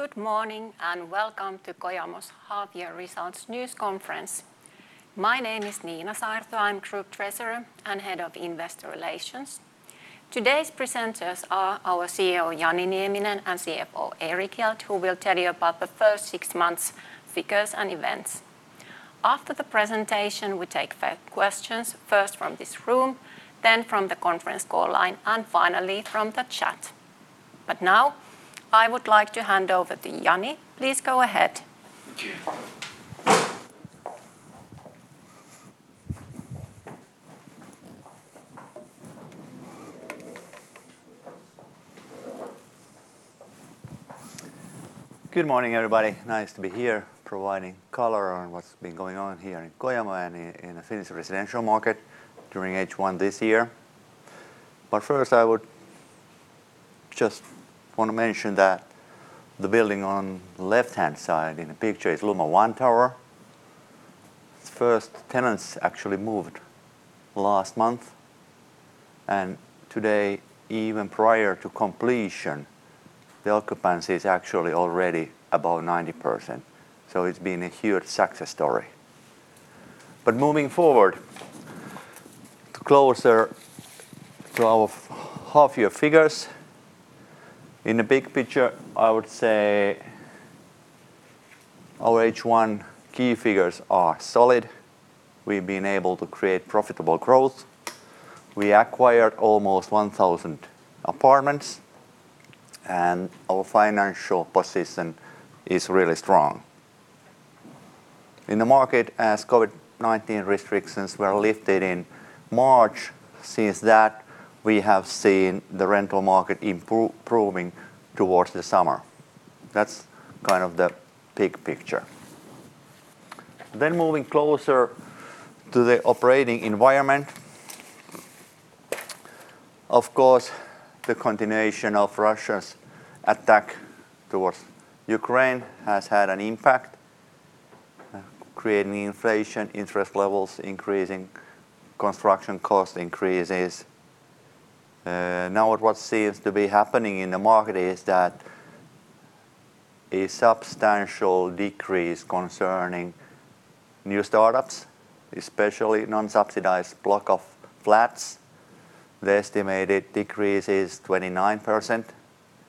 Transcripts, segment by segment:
Good morning, and welcome to Kojamo's half year results news conference. My name is Niina Saarto. I'm Group Treasurer and Head of Investor Relations. Today's presenters are our CEO, Jani Nieminen, and CFO, Erik Hjelt, who will tell you about the first six months' figures and events. After the presentation, we take five questions, first from this room, then from the conference call line, and finally from the chat. Now, I would like to hand over to Jani. Please go ahead. Thank you. Good morning, everybody. Nice to be here providing color on what's been going on here in Kojamo and in the Finnish residential market during H1 this year. First, I would just wanna mention that the building on left-hand side in the picture is Lumo One Tower. Its first tenants actually moved last month, and today, even prior to completion, the occupancy is actually already above 90%. It's been a huge success story. Moving forward, to closer to our half year figures. In the big picture, I would say our H1 key figures are solid. We've been able to create profitable growth. We acquired almost 1,000 apartments, and our financial position is really strong. In the market, as COVID-19 restrictions were lifted in March, since that, we have seen the rental market improving towards the summer. That's kind of the big picture. Moving closer to the operating environment. Of course, the continuation of Russia's attack towards Ukraine has had an impact, creating inflation, interest levels increasing, construction cost increases. Now what seems to be happening in the market is that a substantial decrease concerning new startups, especially non-subsidized block of flats. The estimated decrease is 29%.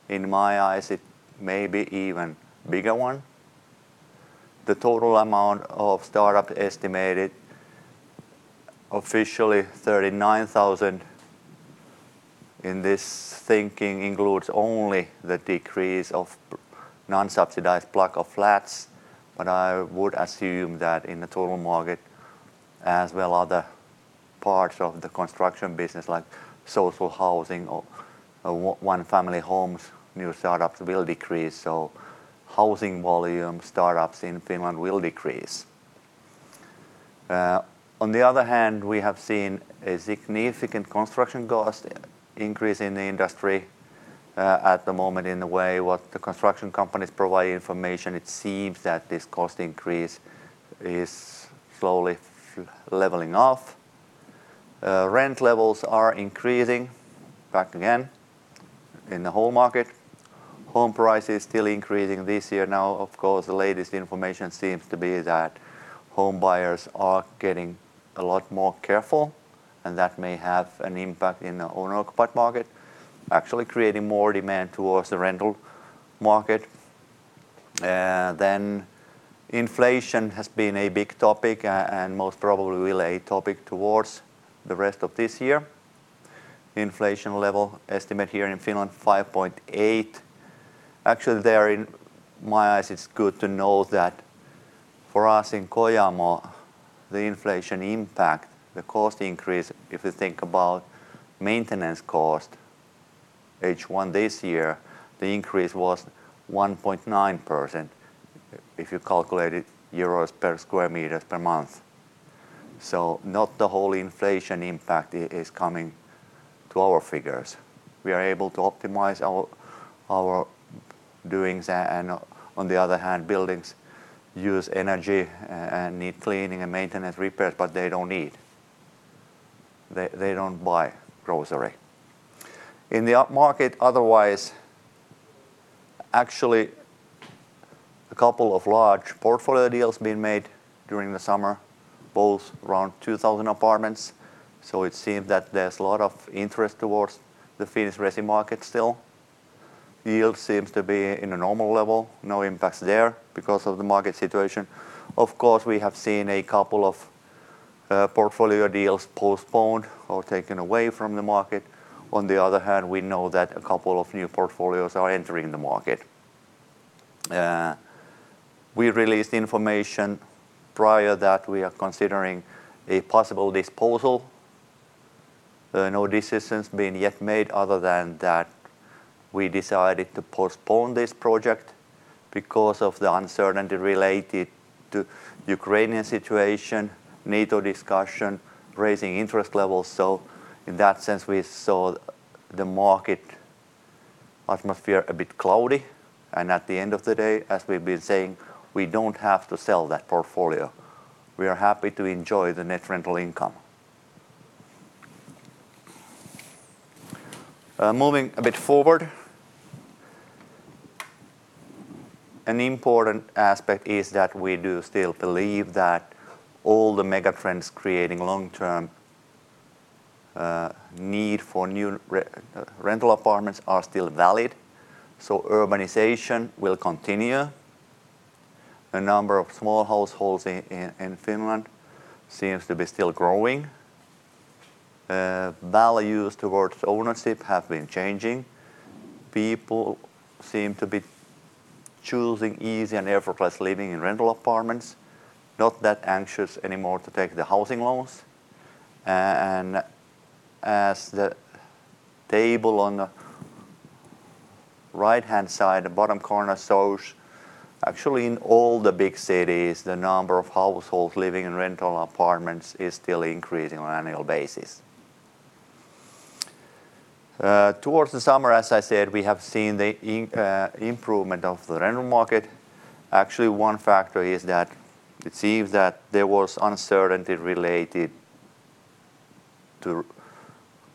In my eyes, it may be even bigger one. The total amount of startup estimated officially 39,000. In this thinking includes only the decrease of non-subsidized block of flats, but I would assume that in the total market, as well other parts of the construction business like social housing or one family homes, new startups will decrease, so housing volume startups in Finland will decrease. On the other hand, we have seen a significant construction cost increase in the industry, at the moment in the way what the construction companies provide information, it seems that this cost increase is slowly leveling off. Rent levels are increasing back again in the whole market. Home price is still increasing this year. Now, of course, the latest information seems to be that home buyers are getting a lot more careful, and that may have an impact in the owner-occupied market, actually creating more demand towards the rental market. Inflation has been a big topic and most probably will be a topic towards the rest of this year. Inflation level estimate here in Finland, 5.8%. Actually, in my eyes, it's good to know that for us in Kojamo, the inflation impact, the cost increase, if you think about maintenance cost, H1 this year, the increase was 1.9%, if you calculate it in euro per square meter per month. Not the whole inflation impact is coming to our figures. We are able to optimize our doings and on the other hand, buildings use energy and need cleaning and maintenance repairs, but they don't eat. They don't buy groceries. In the upmarket, otherwise, actually, a couple of large portfolio deals been made during the summer, both around 2,000 apartments, so it seems that there's a lot of interest towards the Finnish resi market still. Yield seems to be in a normal level, no impacts there because of the market situation. Of course, we have seen a couple of portfolio deals postponed or taken away from the market. On the other hand, we know that a couple of new portfolios are entering the market. We released information prior that we are considering a possible disposal. No decisions been yet made other than that we decided to postpone this project because of the uncertainty related to Ukrainian situation, NATO discussion, raising interest levels. In that sense, we saw the market atmosphere a bit cloudy, and at the end of the day, as we've been saying, we don't have to sell that portfolio. We are happy to enjoy the net rental income. Moving a bit forward. An important aspect is that we do still believe that all the mega trends creating long-term need for new rental apartments are still valid. Urbanization will continue. The number of small households in Finland seems to be still growing. Values towards ownership have been changing. People seem to be choosing easy and effortless living in rental apartments, not that anxious anymore to take the housing loans. As the table on the right-hand side, the bottom corner shows, actually in all the big cities, the number of households living in rental apartments is still increasing on annual basis. Towards the summer, as I said, we have seen the improvement of the rental market. Actually, one factor is that it seems that there was uncertainty related to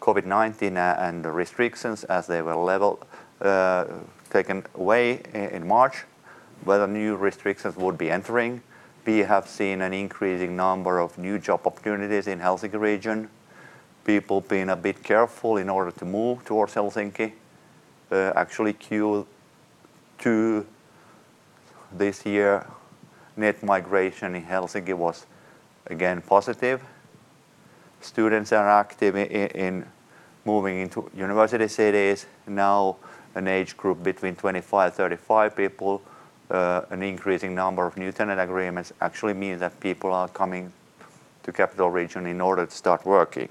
COVID-19 and the restrictions as they were lifted in March, whether new restrictions would be entering. We have seen an increasing number of new job opportunities in Helsinki region, people being a bit careful in order to move towards Helsinki. Actually Q2 this year, net migration in Helsinki was again positive. Students are active in moving into university cities, now an age group between 25-35 people. An increasing number of new tenant agreements actually mean that people are coming to Capital Region in order to start working.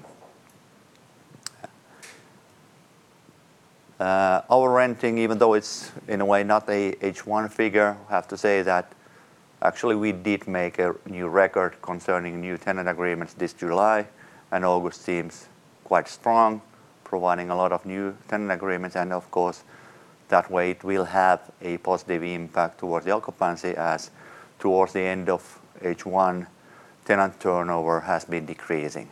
Our renting, even though it's in a way not a H1 figure, have to say that actually we did make a new record concerning new tenant agreements this July, and August seems quite strong, providing a lot of new tenant agreements. Of course, that way it will have a positive impact towards the occupancy as towards the end of H1, tenant turnover has been decreasing.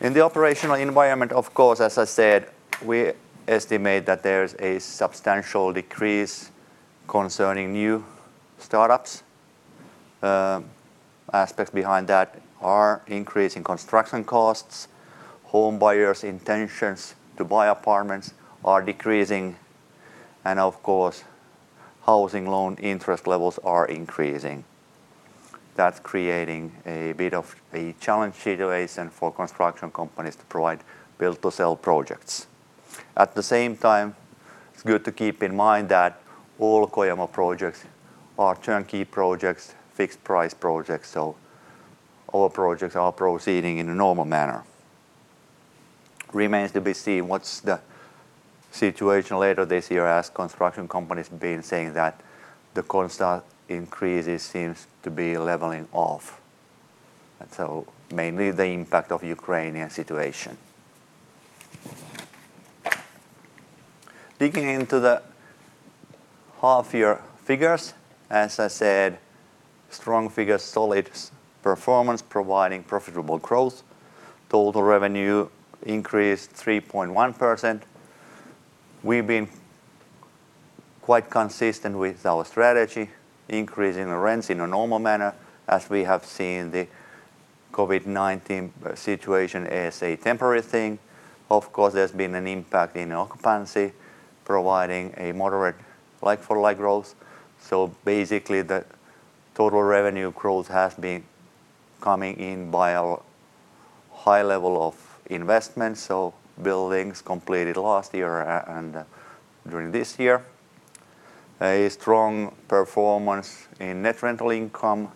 In the operational environment, of course, as I said, we estimate that there's a substantial decrease concerning new startups. Aspects behind that are increase in construction costs, home buyers' intentions to buy apartments are decreasing, and of course, housing loan interest levels are increasing. That's creating a bit of a challenge situation for construction companies to provide build to sell projects. At the same time, it's good to keep in mind that all Kojamo projects are turnkey projects, fixed price projects, so all projects are proceeding in a normal manner. Remains to be seen what's the situation later this year as construction companies been saying that the cost increases seems to be leveling off. Mainly the impact of Ukrainian situation. Digging into the half year figures. As I said, strong figures, solid performance providing profitable growth. Total revenue increased 3.1%. We've been quite consistent with our strategy, increasing the rents in a normal manner as we have seen the COVID-19 situation as a temporary thing. Of course, there's been an impact in occupancy, providing a moderate like-for-like growth. Basically, the total revenue growth has been coming in by a high level of investment, so buildings completed last year and during this year. A strong performance in net rental income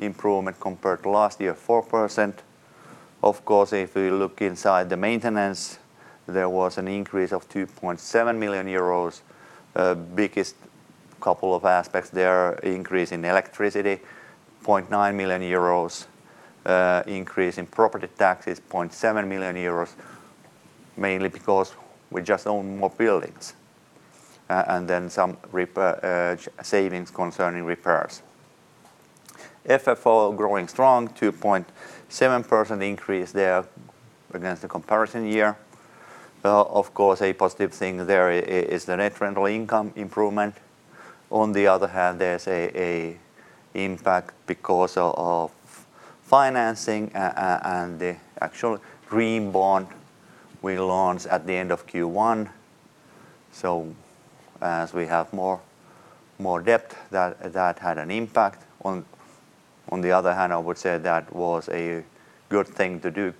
improvement compared to last year, 4%. Of course, if you look inside the maintenance, there was an increase of 2.7 million euros. Biggest couple of aspects there, increase in electricity, 0.9 million euros, increase in property taxes, 0.7 million euros, mainly because we just own more buildings, and then some repair savings concerning repairs. FFO growing strong, 2.7% increase there against the comparison year. Of course, a positive thing there is the net rental income improvement. On the other hand, there's an impact because of financing and the actual green bond we launched at the end of Q1. As we have more debt, that had an impact. On the other hand, I would say that was a good thing to do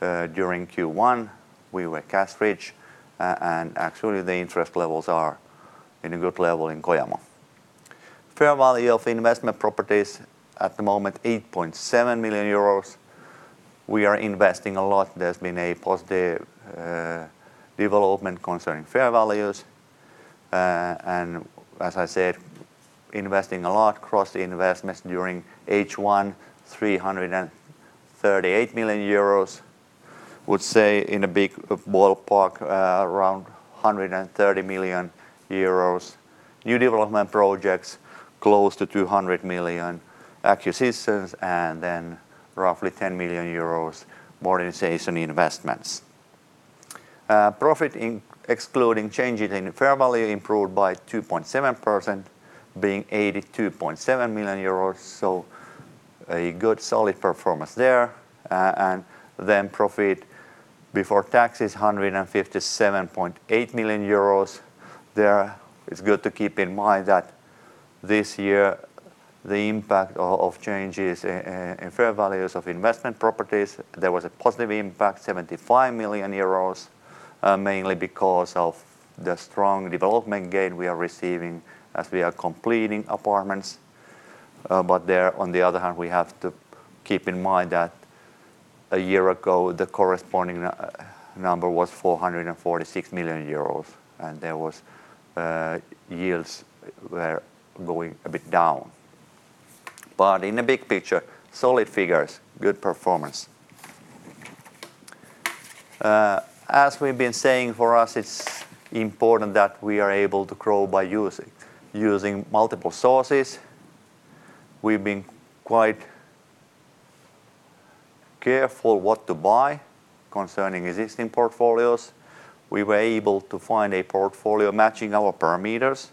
during Q1. We were cash rich, and actually the interest levels are in a good level in Kojamo. Fair value of investment properties at the moment, 8.7 million euros. We are investing a lot. There's been a positive development concerning fair values. As I said, investing a lot across the investments during H1, 338 million euros. Would say in a big ballpark around 130 million euros. New development projects close to 200 million acquisitions, and then roughly 10 million euros modernization investments. Profit excluding changes in fair value improved by 2.7%, being 82.7 million euros. A good solid performance there. Profit before tax is 157.8 million euros. It's good to keep in mind that this year the impact of changes in fair values of investment properties, there was a positive impact, 75 million euros, mainly because of the strong development gain we are receiving as we are completing apartments. On the other hand, we have to keep in mind that a year ago, the corresponding number was 446 million euros, and there was, yields were going a bit down. In the big picture, solid figures, good performance. As we've been saying, for us, it's important that we are able to grow by using multiple sources. We've been quite careful what to buy concerning existing portfolios. We were able to find a portfolio matching our parameters,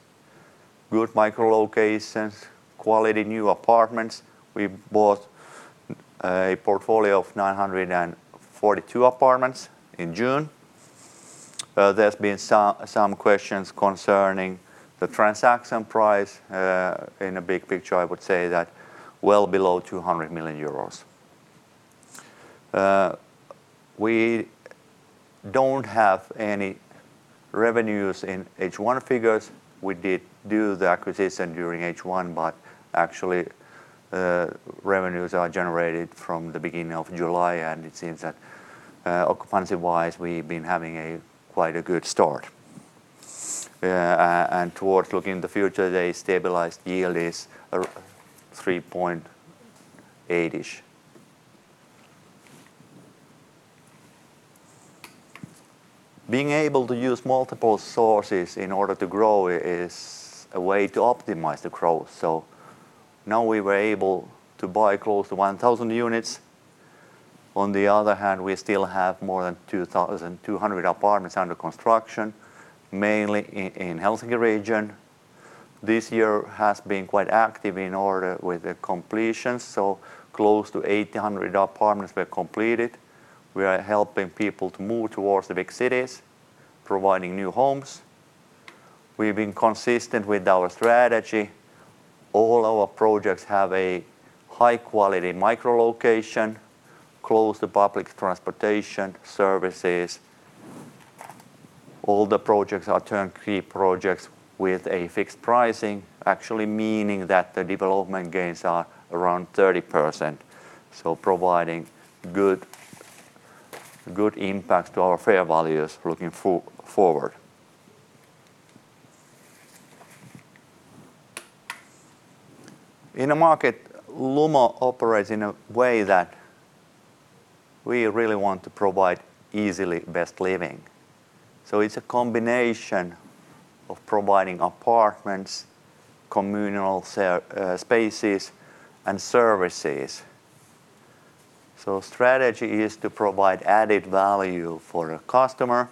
good micro locations, quality new apartments. We bought a portfolio of 942 apartments in June. There's been some questions concerning the transaction price. In a big picture, I would say that well below 200 million euros. We don't have any revenues in H1 figures. We did do the acquisition during H1, but actually, the revenues are generated from the beginning of July, and it seems that, occupancy-wise, we've been having quite a good start. Towards looking in the future, the stabilized yield is 3.8%-ish. Being able to use multiple sources in order to grow is a way to optimize the growth. Now we were able to buy close to 1,000 units. On the other hand, we still have more than 2,200 apartments under construction, mainly in Helsinki region. This year has been quite active in order with the completion, so close to 800 apartments were completed. We are helping people to move towards the big cities, providing new homes. We've been consistent with our strategy. All our projects have a high-quality micro location, close to public transportation services. All the projects are turnkey projects with a fixed pricing, actually meaning that the development gains are around 30%. Providing good impact to our fair values looking forward. In a market, Lumo operates in a way that we really want to provide easily best living. It's a combination of providing apartments, communal spaces, and services. Strategy is to provide added value for a customer.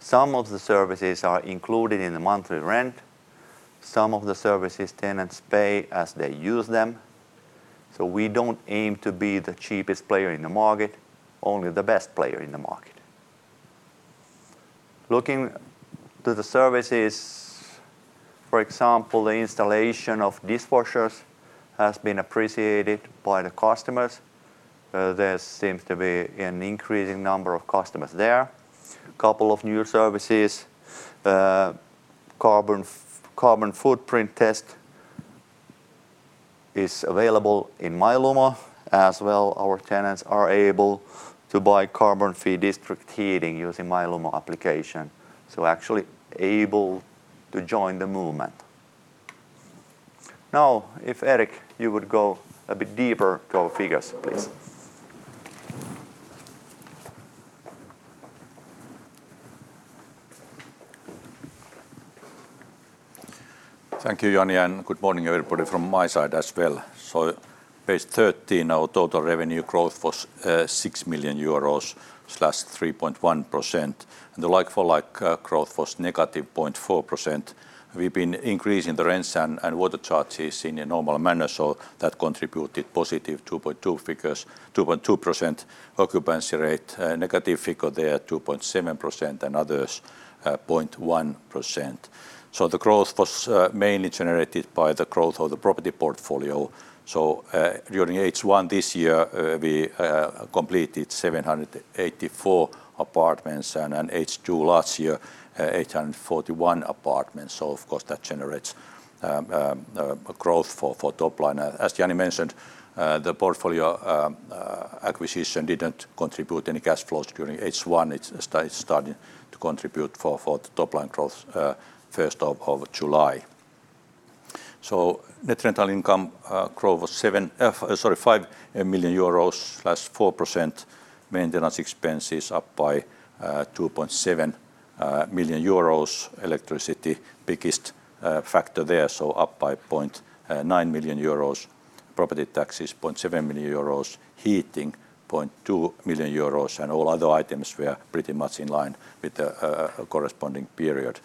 Some of the services are included in the monthly rent. Some of the services tenants pay as they use them. We don't aim to be the cheapest player in the market, only the best player in the market. Looking to the services, for example, the installation of dishwashers has been appreciated by the customers. There seems to be an increasing number of customers there. Couple of new services, carbon footprint test is available in My Lumo as well our tenants are able to buy carbon-free district heating using My Lumo application, so actually able to join the movement. Now, if Erik, you would go a bit deeper to our figures, please. Thank you, Jani, and good morning, everybody from my side as well. Page 13, our total revenue growth was 6 million euros/3.1%, and the like-for-like growth was -0.4%. We've been increasing the rents and water charges in a normal manner, so that contributed +2.2% figures, 2.2% occupancy rate, negative figure there, -2.7%, and others 0.1%. The growth was mainly generated by the growth of the property portfolio. During H1 this year, we completed 784 apartments, and in H2 last year, 841 apartments. Of course, that generates growth for top line. As Jani mentioned, the portfolio acquisition didn't contribute any cash flows during H1. It's starting to contribute for the top-line growth first of July. Net rental income growth was 5 million euros/4%. Maintenance expenses up by 2.7 million euros. Electricity biggest factor there, so up by 0.9 million euros. Property taxes, 0.7 million euros. Heating, 0.2 million euros. All other items were pretty much in line with the corresponding period.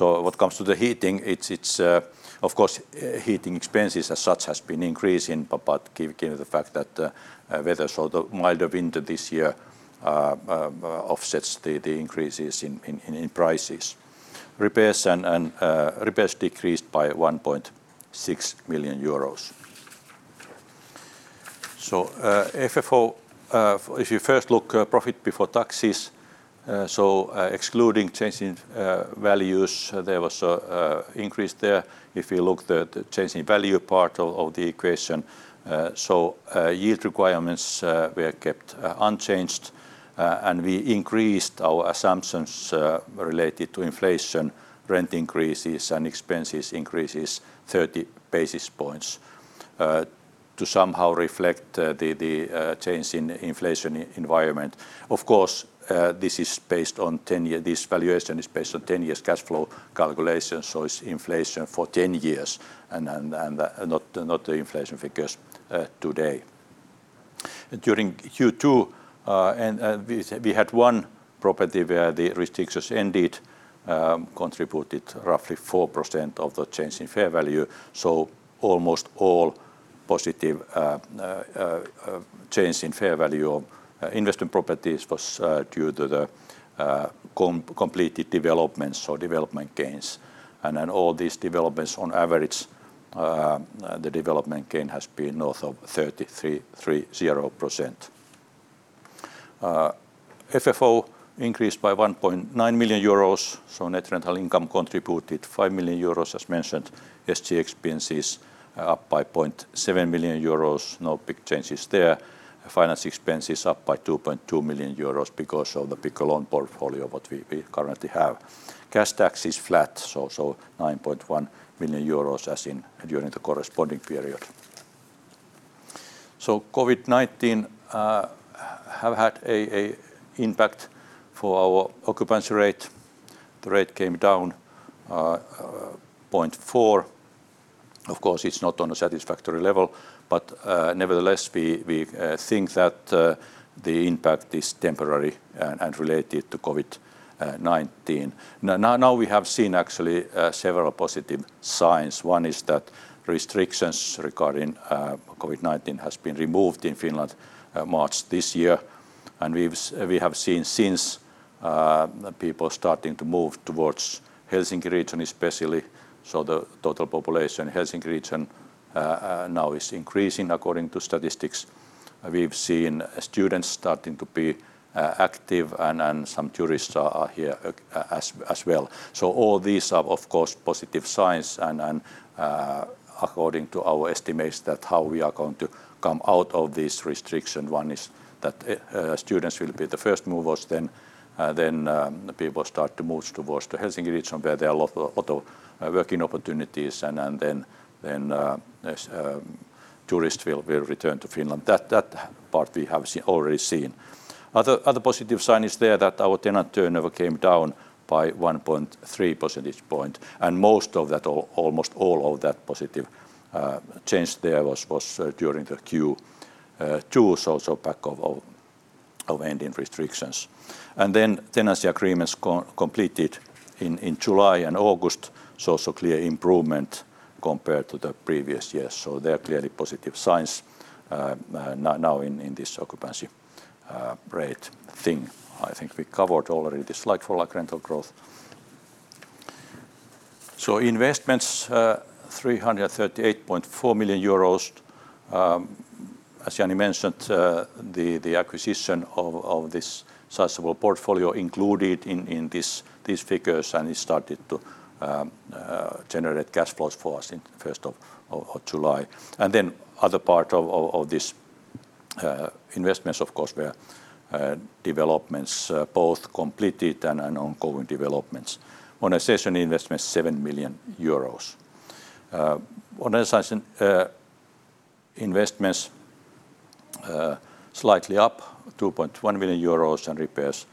What comes to the heating, it's of course heating expenses as such has been increasing but given the fact that the weather, so the milder winter this year offsets the increases in prices. Repairs decreased by 1.6 million euros. FFO, if you first look at profit before taxes, excluding changing values, there was an increase there. If you look at the changing value part of the equation, yield requirements were kept unchanged. We increased our assumptions related to inflation, rent increases, and expense increases 30 basis points, to somehow reflect the change in inflation environment. Of course, this is based on 10 years cash flow calculation, so it's inflation for 10 years and not the inflation figures today. During Q2, we had one property where the restrictions ended, contributed roughly 4% of the change in fair value, so almost all positive change in fair value of investment properties was due to the completed developments or development gains. All these developments on average, the development gain has been north of 33.3%. FFO increased by 1.9 million euros, so net rental income contributed 5 million euros as mentioned. SG&A expenses up by 0.7 million euros. No big changes there. Finance expenses up by 2.2 million euros because of the bigger loan portfolio what we currently have. Cash tax is flat, 9.1 million euros as in during the corresponding period. COVID-19 have had a impact for our occupancy rate. The rate came down 0.4%. Of course, it's not on a satisfactory level. Nevertheless, we think that the impact is temporary and related to COVID-19. Now we have seen actually several positive signs. One is that restrictions regarding COVID-19 have been removed in Finland, March this year. We have seen since people starting to move towards Helsinki region especially. The total population in Helsinki region now is increasing according to statistics. We've seen students starting to be active and some tourists are here as well. All these are, of course, positive signs, and according to our estimates that's how we are going to come out of this restriction. One is that students will be the first movers, then people start to move towards the Helsinki region where there are a lot of job opportunities and then as tourists will return to Finland. That part we have already seen. Other positive sign is that our tenant turnover came down by 1.3 percentage point, and most of that or almost all of that positive change there was during the Q2, so in the wake of ending restrictions. Tenancy agreements completed in July and August saw so clear improvement compared to the previous years. There are clearly positive signs now in this occupancy rate thing. I think we covered already the slight full rental growth. Investments 338.4 million euros, as Jani mentioned, the acquisition of this sizable portfolio included in these figures, and it started to generate cash flows for us in the 1st of July. Other part of this investments of course were developments both completed and ongoing developments. Modernization investments EUR 7 million. Modernization investments slightly up 2.1 million euros, and repairs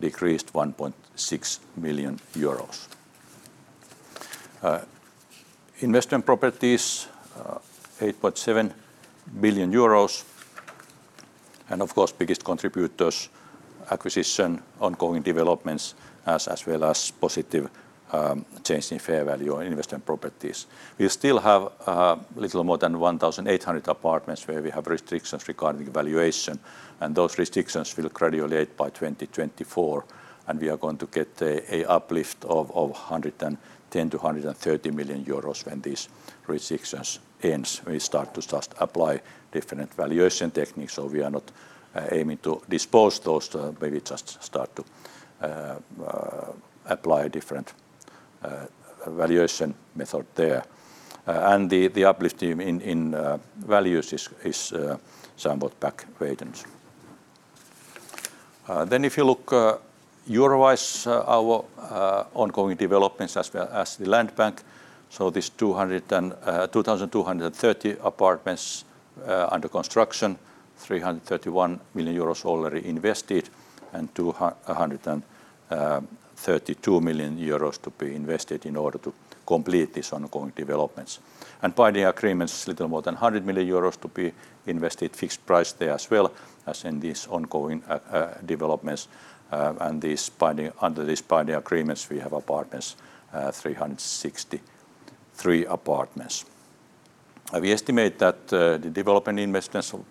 decreased 1.6 million euros. Investment properties 8.7 billion euros, and of course biggest contributors acquisition, ongoing developments, as well as positive change in fair value on investment properties. We still have little more than 1,800 apartments where we have restrictions regarding valuation, and those restrictions will graduate by 2024, and we are going to get an uplift of 110 million-130 million euros when these restrictions end. We start to just apply different valuation techniques, so we are not aiming to dispose those, maybe just start to apply a different valuation method there. The uplift in values is somewhat back-loaded. If you look euro-wise, our ongoing developments as well as the land bank, so 2,230 apartments under construction, 331 million euros already invested, and 132 million euros to be invested in order to complete these ongoing developments. Binding agreements is a little more than 100 million euros to be invested, fixed price there as well as in this ongoing developments. Under this binding agreements, we have apartments, 363 apartments. We estimate that, the development investments of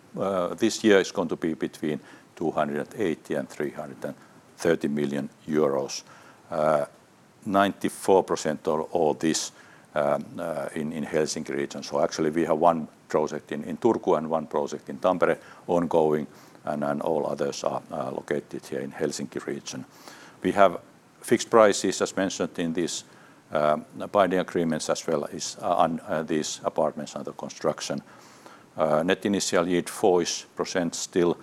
this year is going to be between 280 million and 330 million euros. 94% of all this in Helsinki region. Actually we have one project in Turku and one project in Tampere ongoing, and then all others are located here in Helsinki region. We have fixed prices, as mentioned, in this binding agreements as well as on these apartments under construction. Net initial yield 4-ish% still,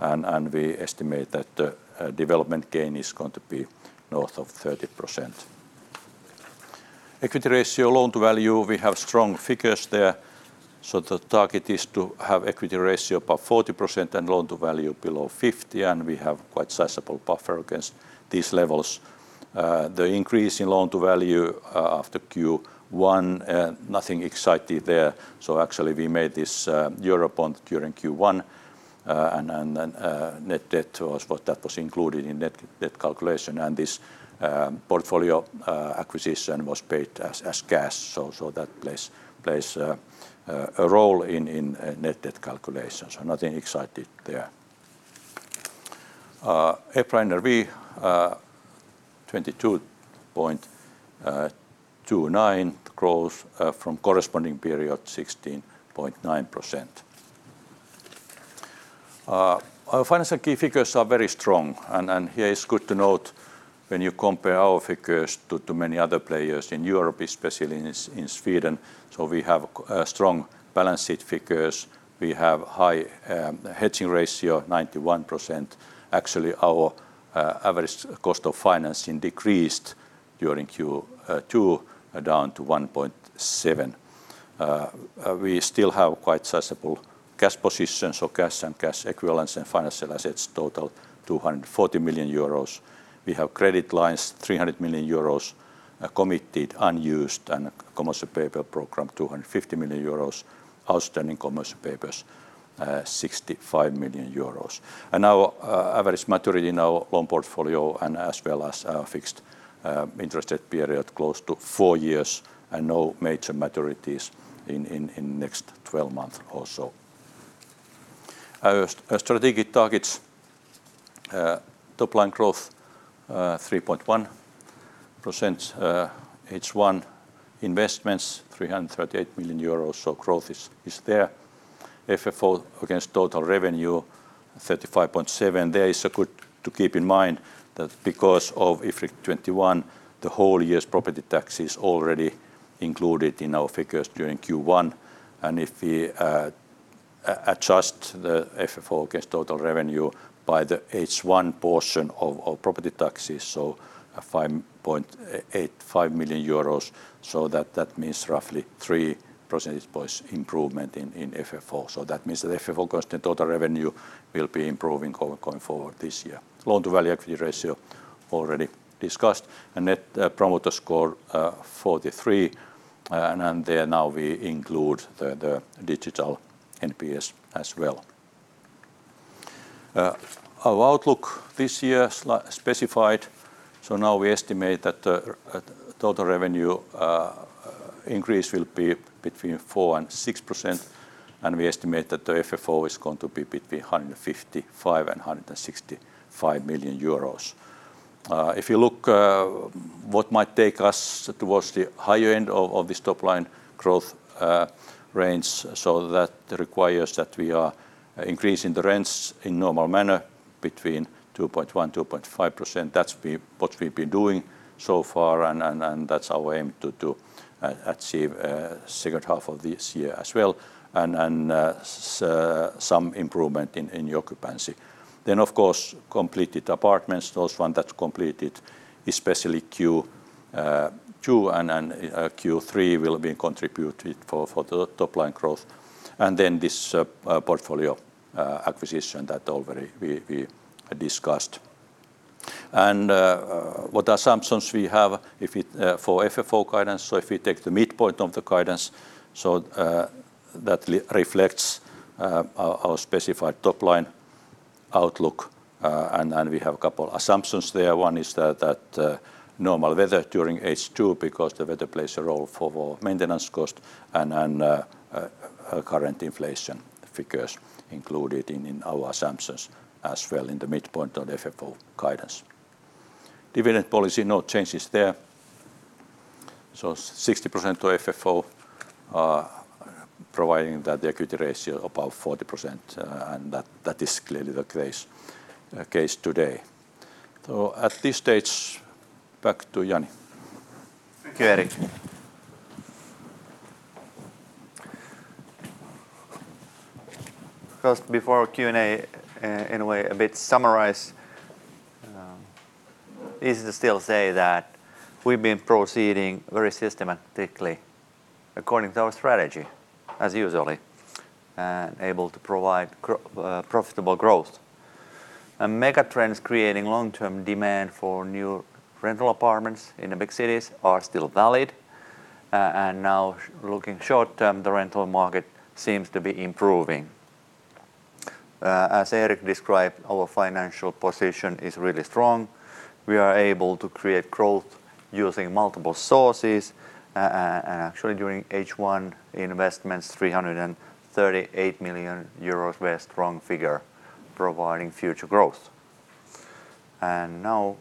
and we estimate that the development gain is going to be north of 30%. Equity ratio, loan-to-value, we have strong figures there. The target is to have equity ratio above 40% and loan-to-value below 50%, and we have quite sizable buffer against these levels. The increase in loan-to-value after Q1, nothing exciting there. Actually we made this Eurobond during Q1, and then net-debt was what that was included in net-debt calculation, and this portfolio acquisition was paid as cash. That plays a role in net-debt calculations. Nothing exciting there. EPRA NRV per share 22.29. Growth from corresponding period 16.9%. Our financial key figures are very strong. Here it's good to note when you compare our figures to many other players in Europe, especially in Sweden. We have strong balance sheet figures. We have high hedging ratio, 91%. Actually, our average cost of financing decreased during Q2 down to 1.7%. We still have quite sizable cash positions or cash and cash equivalents and financial assets total 240 million euros. We have credit lines 300 million euros, committed, unused, and a commercial paper program 250 million euros. Outstanding commercial papers, 65 million euros. Our average maturity in our loan portfolio and as well as our fixed interest rate period close to four years, and no major maturities in next 12 months or so. Our strategic targets, top line growth, 3.1%, H1. Investments, 338 million euros. Growth is there. FFO against total revenue, 35.7%. There is a good point to keep in mind that because of IFRIC 21, the whole year's property tax is already included in our figures during Q1. If we adjust the FFO against total revenue by the H1 portion of property taxes, 5.85 million euros, that means roughly three percentage points improvement in FFO. That means that FFO against the total revenue will be improving going forward this year. Loan-to-value equity ratio already discussed. Net Promoter Score, 43. There now we include the digital NPS as well. Our outlook this year specified. Now we estimate that the total revenue increase will be between 4% and 6%, and we estimate that the FFO is going to be between 155 million euros and 165 million euros. If you look at what might take us towards the higher end of this top line growth range, so that requires that we are increasing the rents in normal manner between 2.1% and 2.5%. That's what we've been doing so far and that's our aim to achieve second half of this year as well. Some improvement in the occupancy. Then of course, completed apartments, those ones that are completed, especially Q2 and then Q3 will contribute to the top line growth. Then this portfolio acquisition that we already discussed. What assumptions we have for FFO guidance, if we take the midpoint of the guidance, that reflects our specified top line outlook, and we have a couple assumptions there. One is that normal weather during H2 because the weather plays a role for our maintenance cost and current inflation figures included in our assumptions as well in the midpoint of the FFO guidance. Dividend policy, no changes there. 60% to FFO, providing that the equity ratio above 40%, and that is clearly the case today. At this stage, back to Jani. Thank you, Erik. First, before Q&A, in a way a bit summarize. Easy to still say that we've been proceeding very systematically according to our strategy, as usual. Able to provide profitable growth. Megatrends creating long-term demand for new rental apartments in the big cities are still valid. Now, looking short-term, the rental market seems to be improving. As Erik described, our financial position is really strong. We are able to create growth using multiple sources. Actually during H1 investments, 338 million euros were a strong figure providing future growth. Now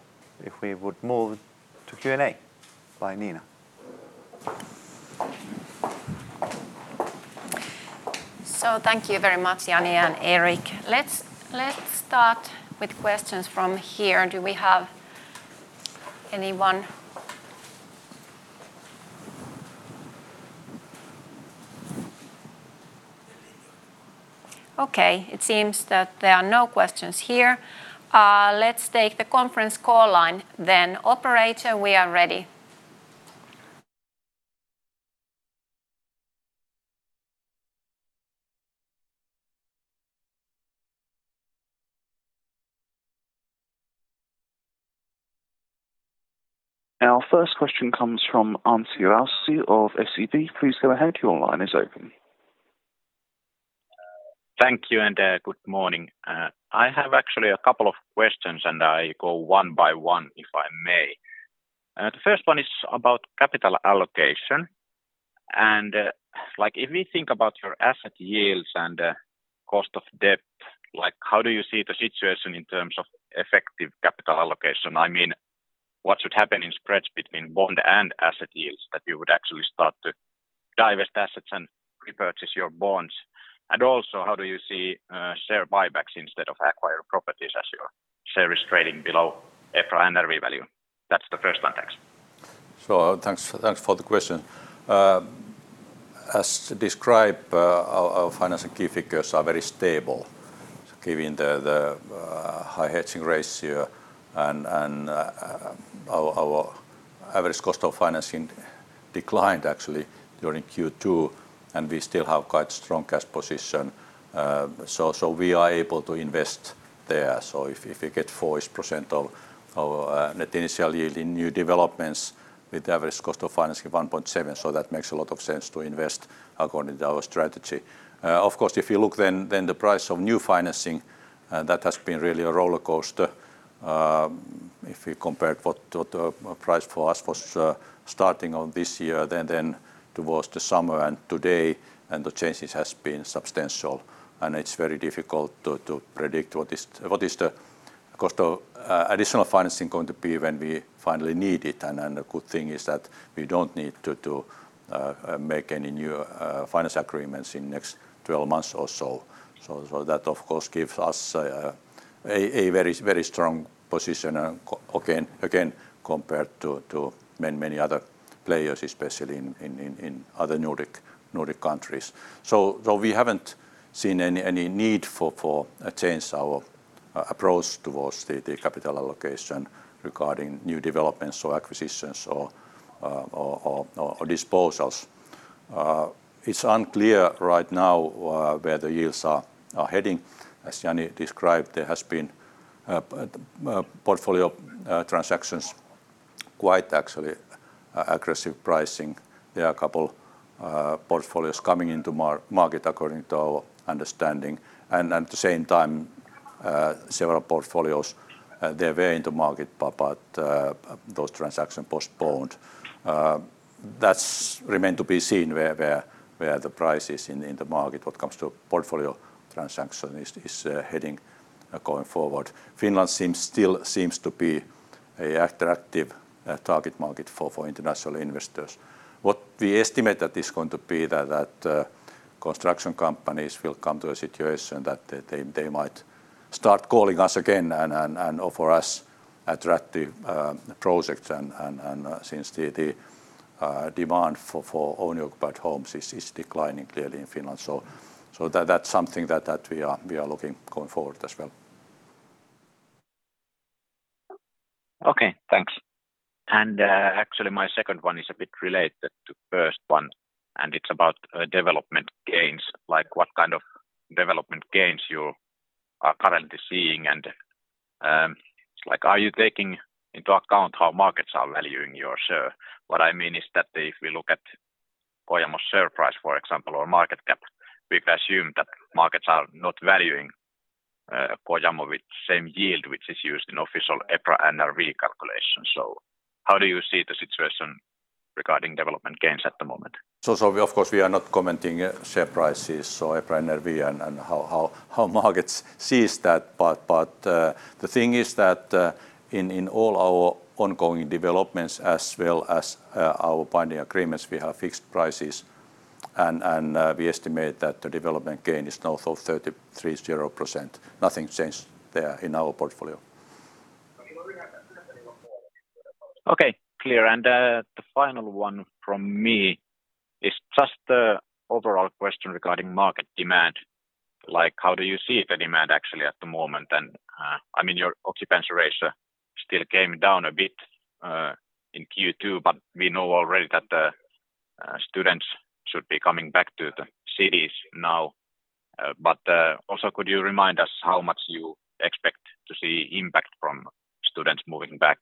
if we would move to Q&A by Niina. Thank you very much, Jani and Erik. Let's start with questions from here. Do we have anyone? Okay. It seems that there are no questions here. Let's take the conference call line then. Operator, we are ready. Our first question comes from Antti Jausi of SEB. Please go ahead, your line is open. Thank you, good morning. I have actually a couple of questions, and I go one by one if I may. The first one is about capital allocation. Like if we think about your asset yields and cost of debt, like how do you see the situation in terms of effective capital allocation? I mean, what should happen in spreads between bond and asset yields that you would actually start to divest assets and repurchase your bonds? Also, how do you see share buybacks instead of acquire properties as your shares trading below EPRA NRV value? That's the first one. Thanks. Thanks for the question. As described, our financial key figures are very stable, given the high hedging ratio and our average cost of financing declined actually during Q2, and we still have quite strong cash position. We are able to invest there. If we get 4% of our net initial yield in new developments with average cost of financing 1.7%, that makes a lot of sense to invest according to our strategy. Of course, if you look then the price of new financing that has been really a rollercoaster. If you compare what price for us was starting of this year then towards the summer and today, and the changes has been substantial, and it's very difficult to predict what is the cost of additional financing going to be when we finally need it. A good thing is that we don't need to make any new finance agreements in next 12 months or so. That of course gives us a very strong position again compared to many other players, especially in other Nordic countries. Though we haven't seen any need for a change our approach towards the capital allocation regarding new developments or acquisitions or disposals, it's unclear right now where the yields are heading. As Jani described, there has been portfolio transactions quite actually aggressive pricing. There are a couple portfolios coming into market according to our understanding. At the same time, several portfolios they're very into market but those transactions postponed. That remains to be seen where the price is in the market when it comes to portfolio transactions is heading going forward. Finland still seems to be an attractive target market for international investors. What we estimate that is going to be, construction companies will come to a situation that they might start calling us again and offer us attractive projects and, since the demand for owner-occupied homes is declining clearly in Finland. That's something that we are looking going forward as well. Okay. Thanks. Actually my second one is a bit related to first one, and it's about development gains. Like what kind of development gains you are currently seeing and, it's like, are you taking into account how markets are valuing your share? What I mean is that if we look at Kojamo share price, for example, or market cap, we can assume that markets are not valuing Kojamo with same yield, which is used in official EPRA NRV calculation. How do you see the situation regarding development gains at the moment? We of course are not commenting share prices, EPRA NRV and how markets sees that. The thing is that in all our ongoing developments as well as our binding agreements, we have fixed prices and we estimate that the development gain is now 33.0%. Nothing changed there in our portfolio. Okay, clear. The final one from me is just the overall question regarding market demand. Like how do you see the demand actually at the moment? I mean, your occupancy ratio still came down a bit in Q2, but we know already that the students should be coming back to the cities now. Also could you remind us how much you expect to see impact from students moving back?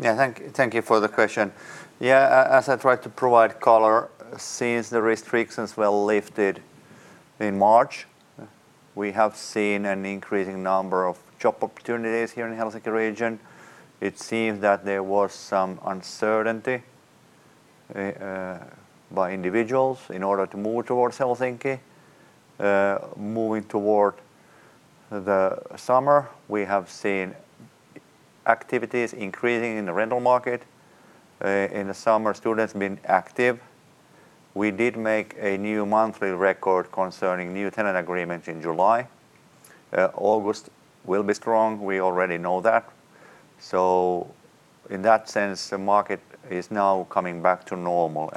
Yeah. Thank you for the question. Yeah. As I try to provide color since the restrictions were lifted in March, we have seen an increasing number of job opportunities here in Helsinki region. It seems that there was some uncertainty by individuals in order to move towards Helsinki. Moving toward the summer, we have seen activities increasing in the rental market. In the summer, students been active. We did make a new monthly record concerning new tenant agreements in July. August will be strong, we already know that. In that sense, the market is now coming back to normal.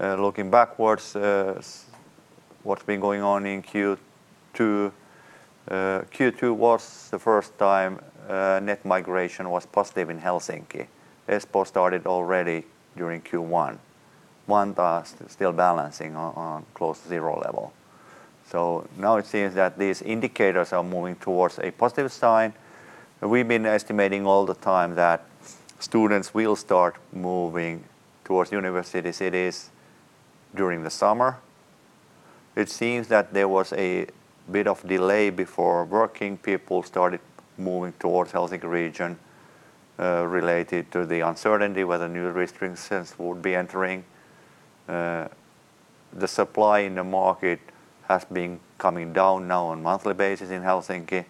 Looking backwards, what's been going on in Q2 was the first time net migration was positive in Helsinki. Espoo started already during Q1. Vantaa is still balancing on close to zero level. Now it seems that these indicators are moving towards a positive sign. We've been estimating all the time that students will start moving towards university cities during the summer. It seems that there was a bit of delay before working people started moving towards Helsinki region, related to the uncertainty whether new restrictions would be entering. The supply in the market has been coming down now on monthly basis in Helsinki.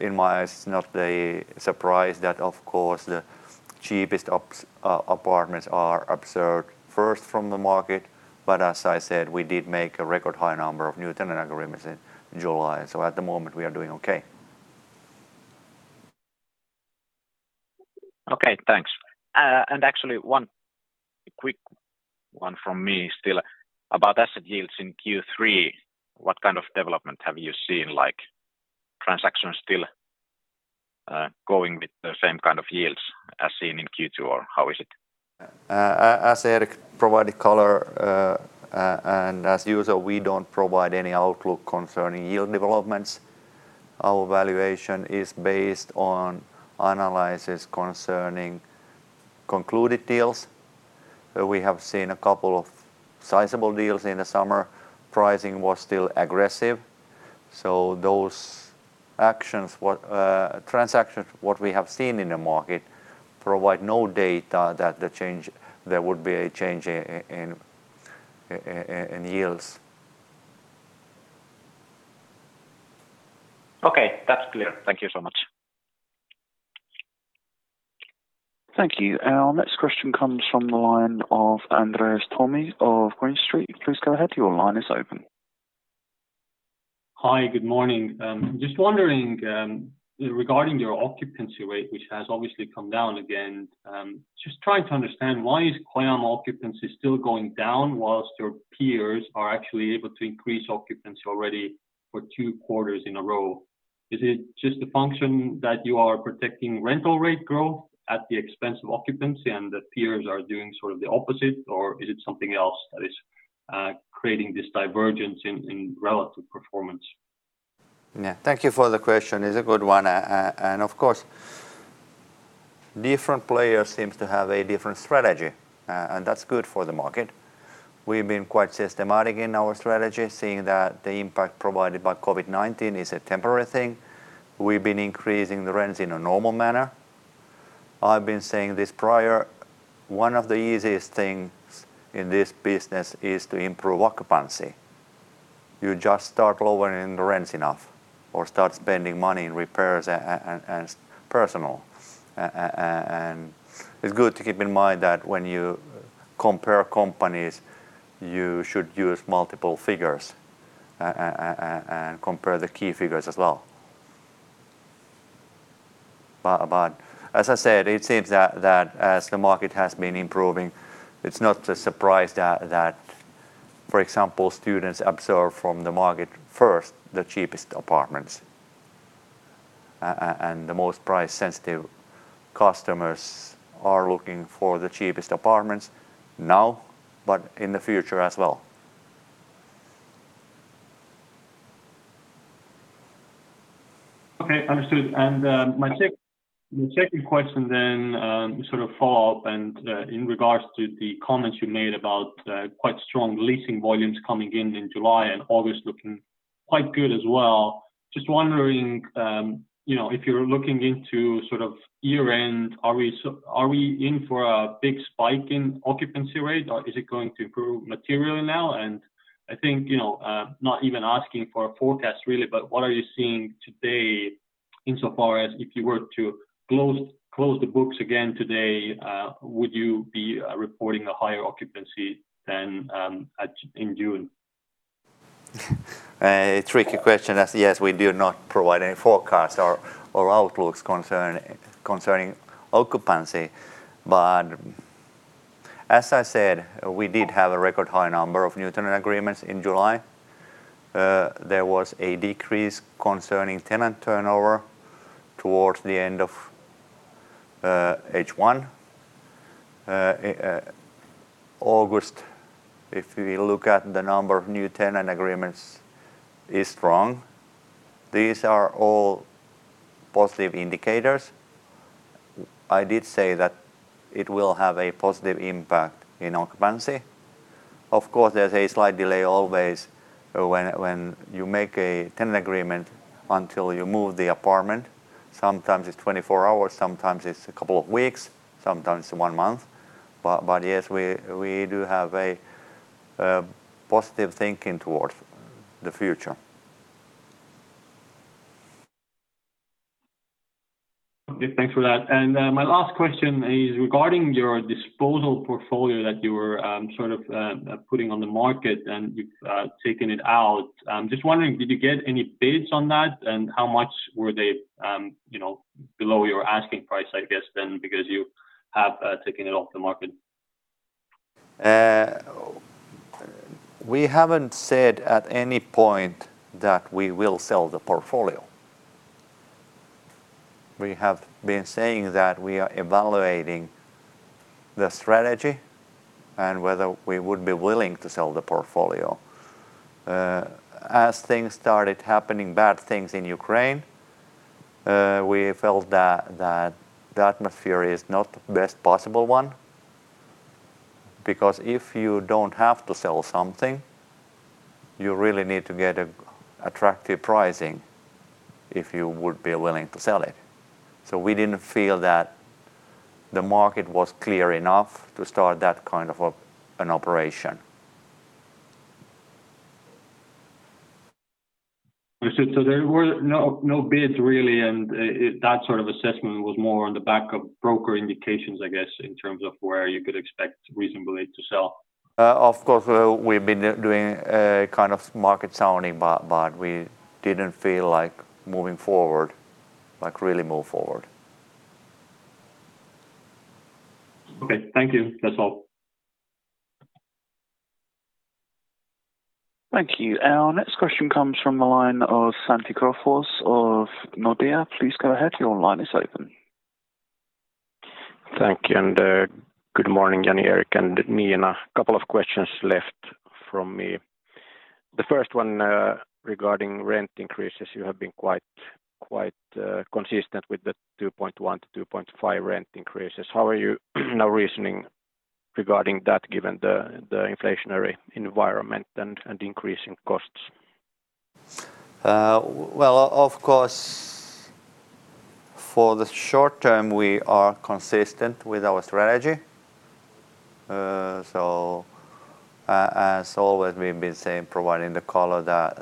In my eyes, it's not a surprise that, of course, the cheapest apartments are observed first from the market. As I said, we did make a record high number of new tenant agreements in July. At the moment we are doing okay. Okay. Thanks. Actually one quick one from me still about asset yields in Q3. What kind of development have you seen? Like transactions still, going with the same kind of yields as seen in Q2 or how is it? As Erik provided color, and as usual, we don't provide any outlook concerning yield developments. Our valuation is based on analysis concerning concluded deals. We have seen a couple of sizable deals in the summer. Pricing was still aggressive. Transactions that we have seen in the market provide no data that there would be a change in yields. Okay. That's clear. Thank you so much. Thank you. Our next question comes from the line of Andres Toome of Green Street. Please go ahead. Your line is open. Hi. Good morning. Just wondering, regarding your occupancy rate, which has obviously come down again, just trying to understand why is Kojamo occupancy still going down while your peers are actually able to increase occupancy already for two quarters in a row? Is it just a function that you are protecting rental rate growth at the expense of occupancy and that peers are doing sort of the opposite, or is it something else that is creating this divergence in relative performance? Yeah. Thank you for the question. It's a good one. Of course, different players seems to have a different strategy, and that's good for the market. We've been quite systematic in our strategy, seeing that the impact provided by COVID-19 is a temporary thing. We've been increasing the rents in a normal manner. I've been saying this prior, one of the easiest things in this business is to improve occupancy. You just start lowering the rents enough or start spending money in repairs and personnel. It's good to keep in mind that when you compare companies, you should use multiple figures and compare the key figures as well. As I said, it seems that as the market has been improving, it's not a surprise that for example, students absorb from the market first the cheapest apartments. The most price sensitive customers are looking for the cheapest apartments now, but in the future as well. Okay. Understood. My second question then, sort of follow up and, in regards to the comments you made about, quite strong leasing volumes coming in in July and August looking quite good as well. Just wondering, you know, if you're looking into sort of year end, are we in for a big spike in occupancy rate or is it going to improve materially now? I think, you know, not even asking for a forecast really, but what are you seeing today in so far as if you were to close the books again today, would you be reporting a higher occupancy than in June? A tricky question as yes, we do not provide any forecast or outlooks concerning occupancy. As I said, we did have a record high number of new tenant agreements in July. There was a decrease concerning tenant turnover towards the end of H1. August, if we look at the number of new tenant agreements is strong. These are all positive indicators. I did say that it will have a positive impact in occupancy. Of course, there's a slight delay always when you make a tenant agreement until you move the apartment. Sometimes it's 24 hours, sometimes it's a couple of weeks, sometimes one month. Yes, we do have a positive thinking towards the future. Okay. Thanks for that. My last question is regarding your disposal portfolio that you were sort of putting on the market and you've taken it out. Just wondering, did you get any bids on that? How much were they, you know, below your asking price, I guess then because you have taken it off the market. We haven't said at any point that we will sell the portfolio. We have been saying that we are evaluating the strategy and whether we would be willing to sell the portfolio. As things started happening, bad things in Ukraine, we felt that the atmosphere is not best possible one. Because if you don't have to sell something, you really need to get an attractive pricing if you would be willing to sell it. We didn't feel that the market was clear enough to start that kind of an operation. There were no bids really, and that sort of assessment was more on the back of broker indications, I guess, in terms of where you could expect reasonably to sell. Of course, we've been doing kind of market sounding, but we didn't feel like moving forward, like really move forward. Okay. Thank you. That's all. Thank you. Our next question comes from the line of Svante Krokfors of Nordea. Please go ahead. Your line is open. Thank you. Good morning, Jani, Erik, and Niina. A couple of questions left from me. The first one, regarding rent increases. You have been quite consistent with the 2.1%-2.5% rent increases. How are you now reasoning regarding that given the inflationary environment and increasing costs? Well, of course, for the short term, we are consistent with our strategy. As always we've been saying providing the color that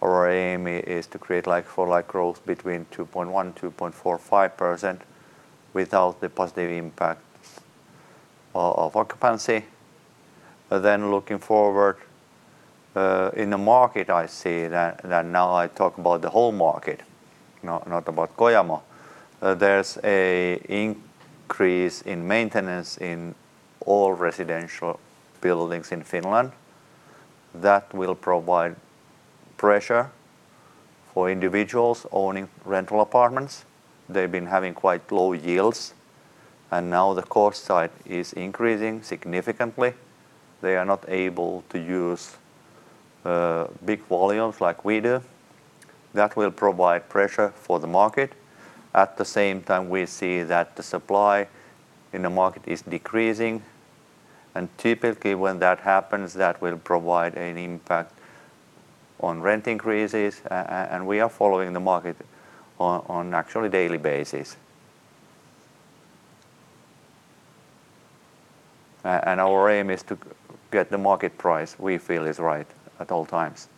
our aim is to create like-for-like growth between 2.1%-2.45% without the positive impact of occupancy. Looking forward, in the market I see that now I talk about the whole market, not about Kojamo. There's an increase in maintenance in all residential buildings in Finland that will provide pressure for individuals owning rental apartments. They've been having quite low yields, and now the cost side is increasing significantly. They are not able to use big volumes like we do. That will provide pressure for the market. At the same time, we see that the supply in the market is decreasing. Typically, when that happens, that will provide an impact on rent increases. We are following the market on an actual daily basis. Our aim is to get the market price we feel is right at all times.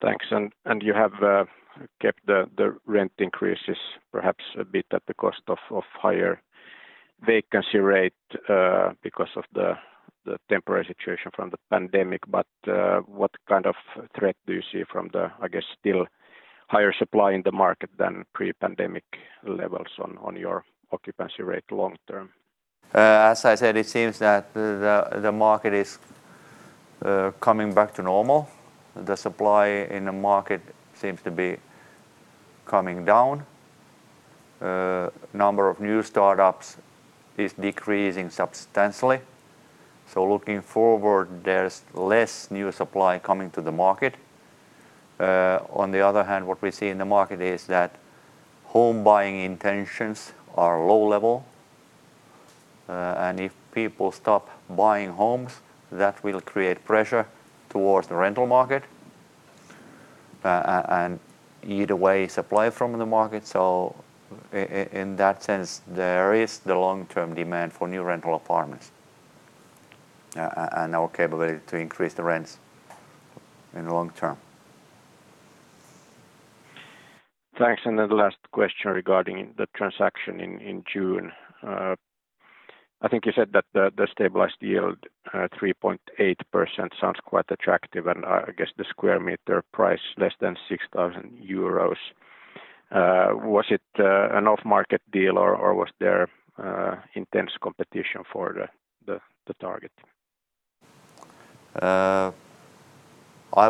Thanks. You have kept the rent increases perhaps a bit at the cost of higher vacancy rate because of the temporary situation from the pandemic. What kind of threat do you see from the, I guess, still higher supply in the market than pre-pandemic levels on your occupancy rate long term? As I said, it seems that the market is coming back to normal. The supply in the market seems to be coming down. Number of new startups is decreasing substantially. Looking forward, there's less new supply coming to the market. On the other hand, what we see in the market is that home buying intentions are low level. If people stop buying homes, that will create pressure towards the rental market, and either way supply from the market. In that sense, there is the long term demand for new rental apartments and our capability to increase the rents in the long term. Thanks. The last question regarding the transaction in June. I think you said that the stabilized yield 3.8% sounds quite attractive, and I guess the square meter price less than 6,000 euros. Was it an off-market deal or was there intense competition for the target? I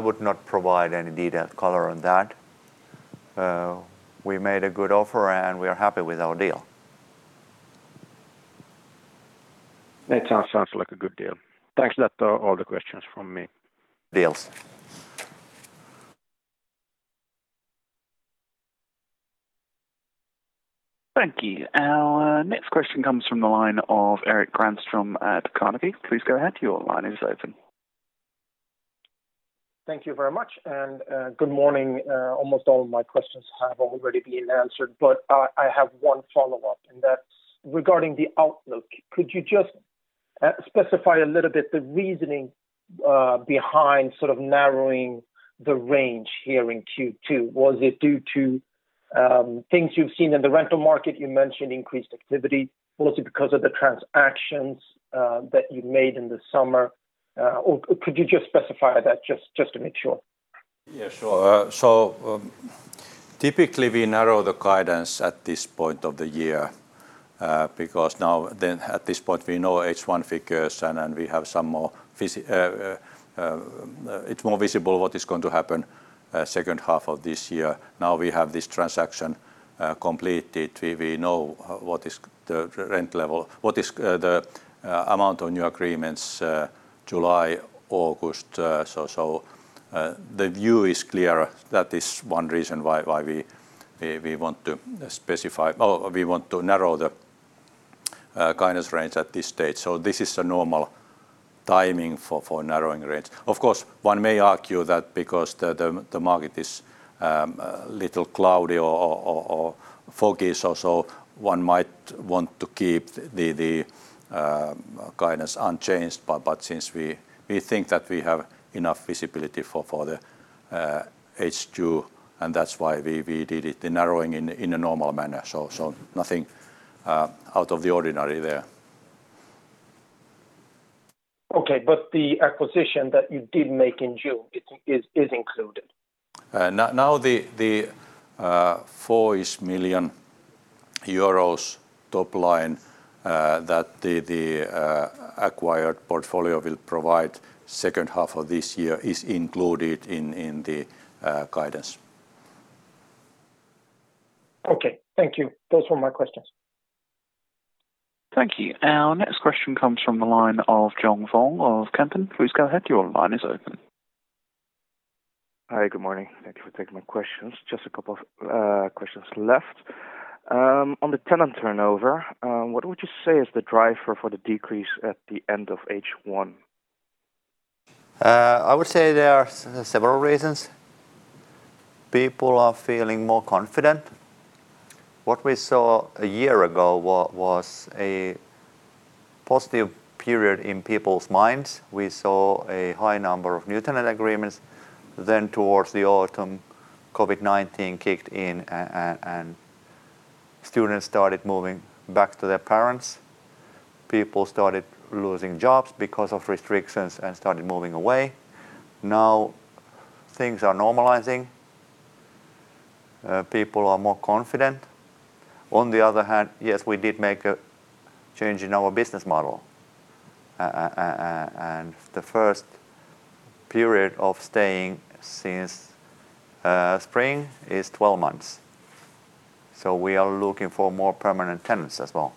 would not provide any detailed color on that. We made a good offer, and we are happy with our deal. It sounds like a good deal. Thanks. That's all the questions from me. Deals. Thank you. Our next question comes from the line of Erik Granström at Carnegie. Please go ahead, your line is open. Thank you very much, and good morning. Almost all of my questions have already been answered, but I have one follow-up, and that's regarding the outlook. Could you just specify a little bit the reasoning behind sort of narrowing the range here in Q2? Was it due to things you've seen in the rental market? You mentioned increased activity. Was it because of the transactions that you made in the summer? Or could you just specify that just to make sure? Yeah, sure. Typically we narrow the guidance at this point of the year because now then at this point we know H1 figures and then it's more visible what is going to happen second half of this year. Now we have this transaction completed. We know what is the rent level, what is the amount of new agreements July, August. The view is clearer. That is one reason why we want to narrow the guidance range at this stage. This is a normal timing for narrowing range. Of course, one may argue that because the market is a little cloudy or foggy, so one might want to keep the guidance unchanged, but since we think that we have enough visibility for the H2, and that's why we did it, the narrowing in a normal manner. Nothing out of the ordinary there. Okay. The acquisition that you did make in June, it is included? Now the 4-ish million euros top line that the acquired portfolio will provide second half of this year is included in the guidance. Okay. Thank you. Those were my questions. Thank you. Our next question comes from the line of John Vuong of Kempen. Please go ahead, your line is open. Hi. Good morning. Thank you for taking my questions. Just a couple of questions left. On the tenant turnover, what would you say is the driver for the decrease at the end of H1? I would say there are several reasons. People are feeling more confident. What we saw a year ago was a positive period in people's minds. We saw a high number of new tenant agreements. Towards the autumn, COVID-19 kicked in and students started moving back to their parents. People started losing jobs because of restrictions and started moving away. Now things are normalizing. People are more confident. On the other hand, yes, we did make a change in our business model, and the first period of staying since spring is 12 months. We are looking for more permanent tenants as well.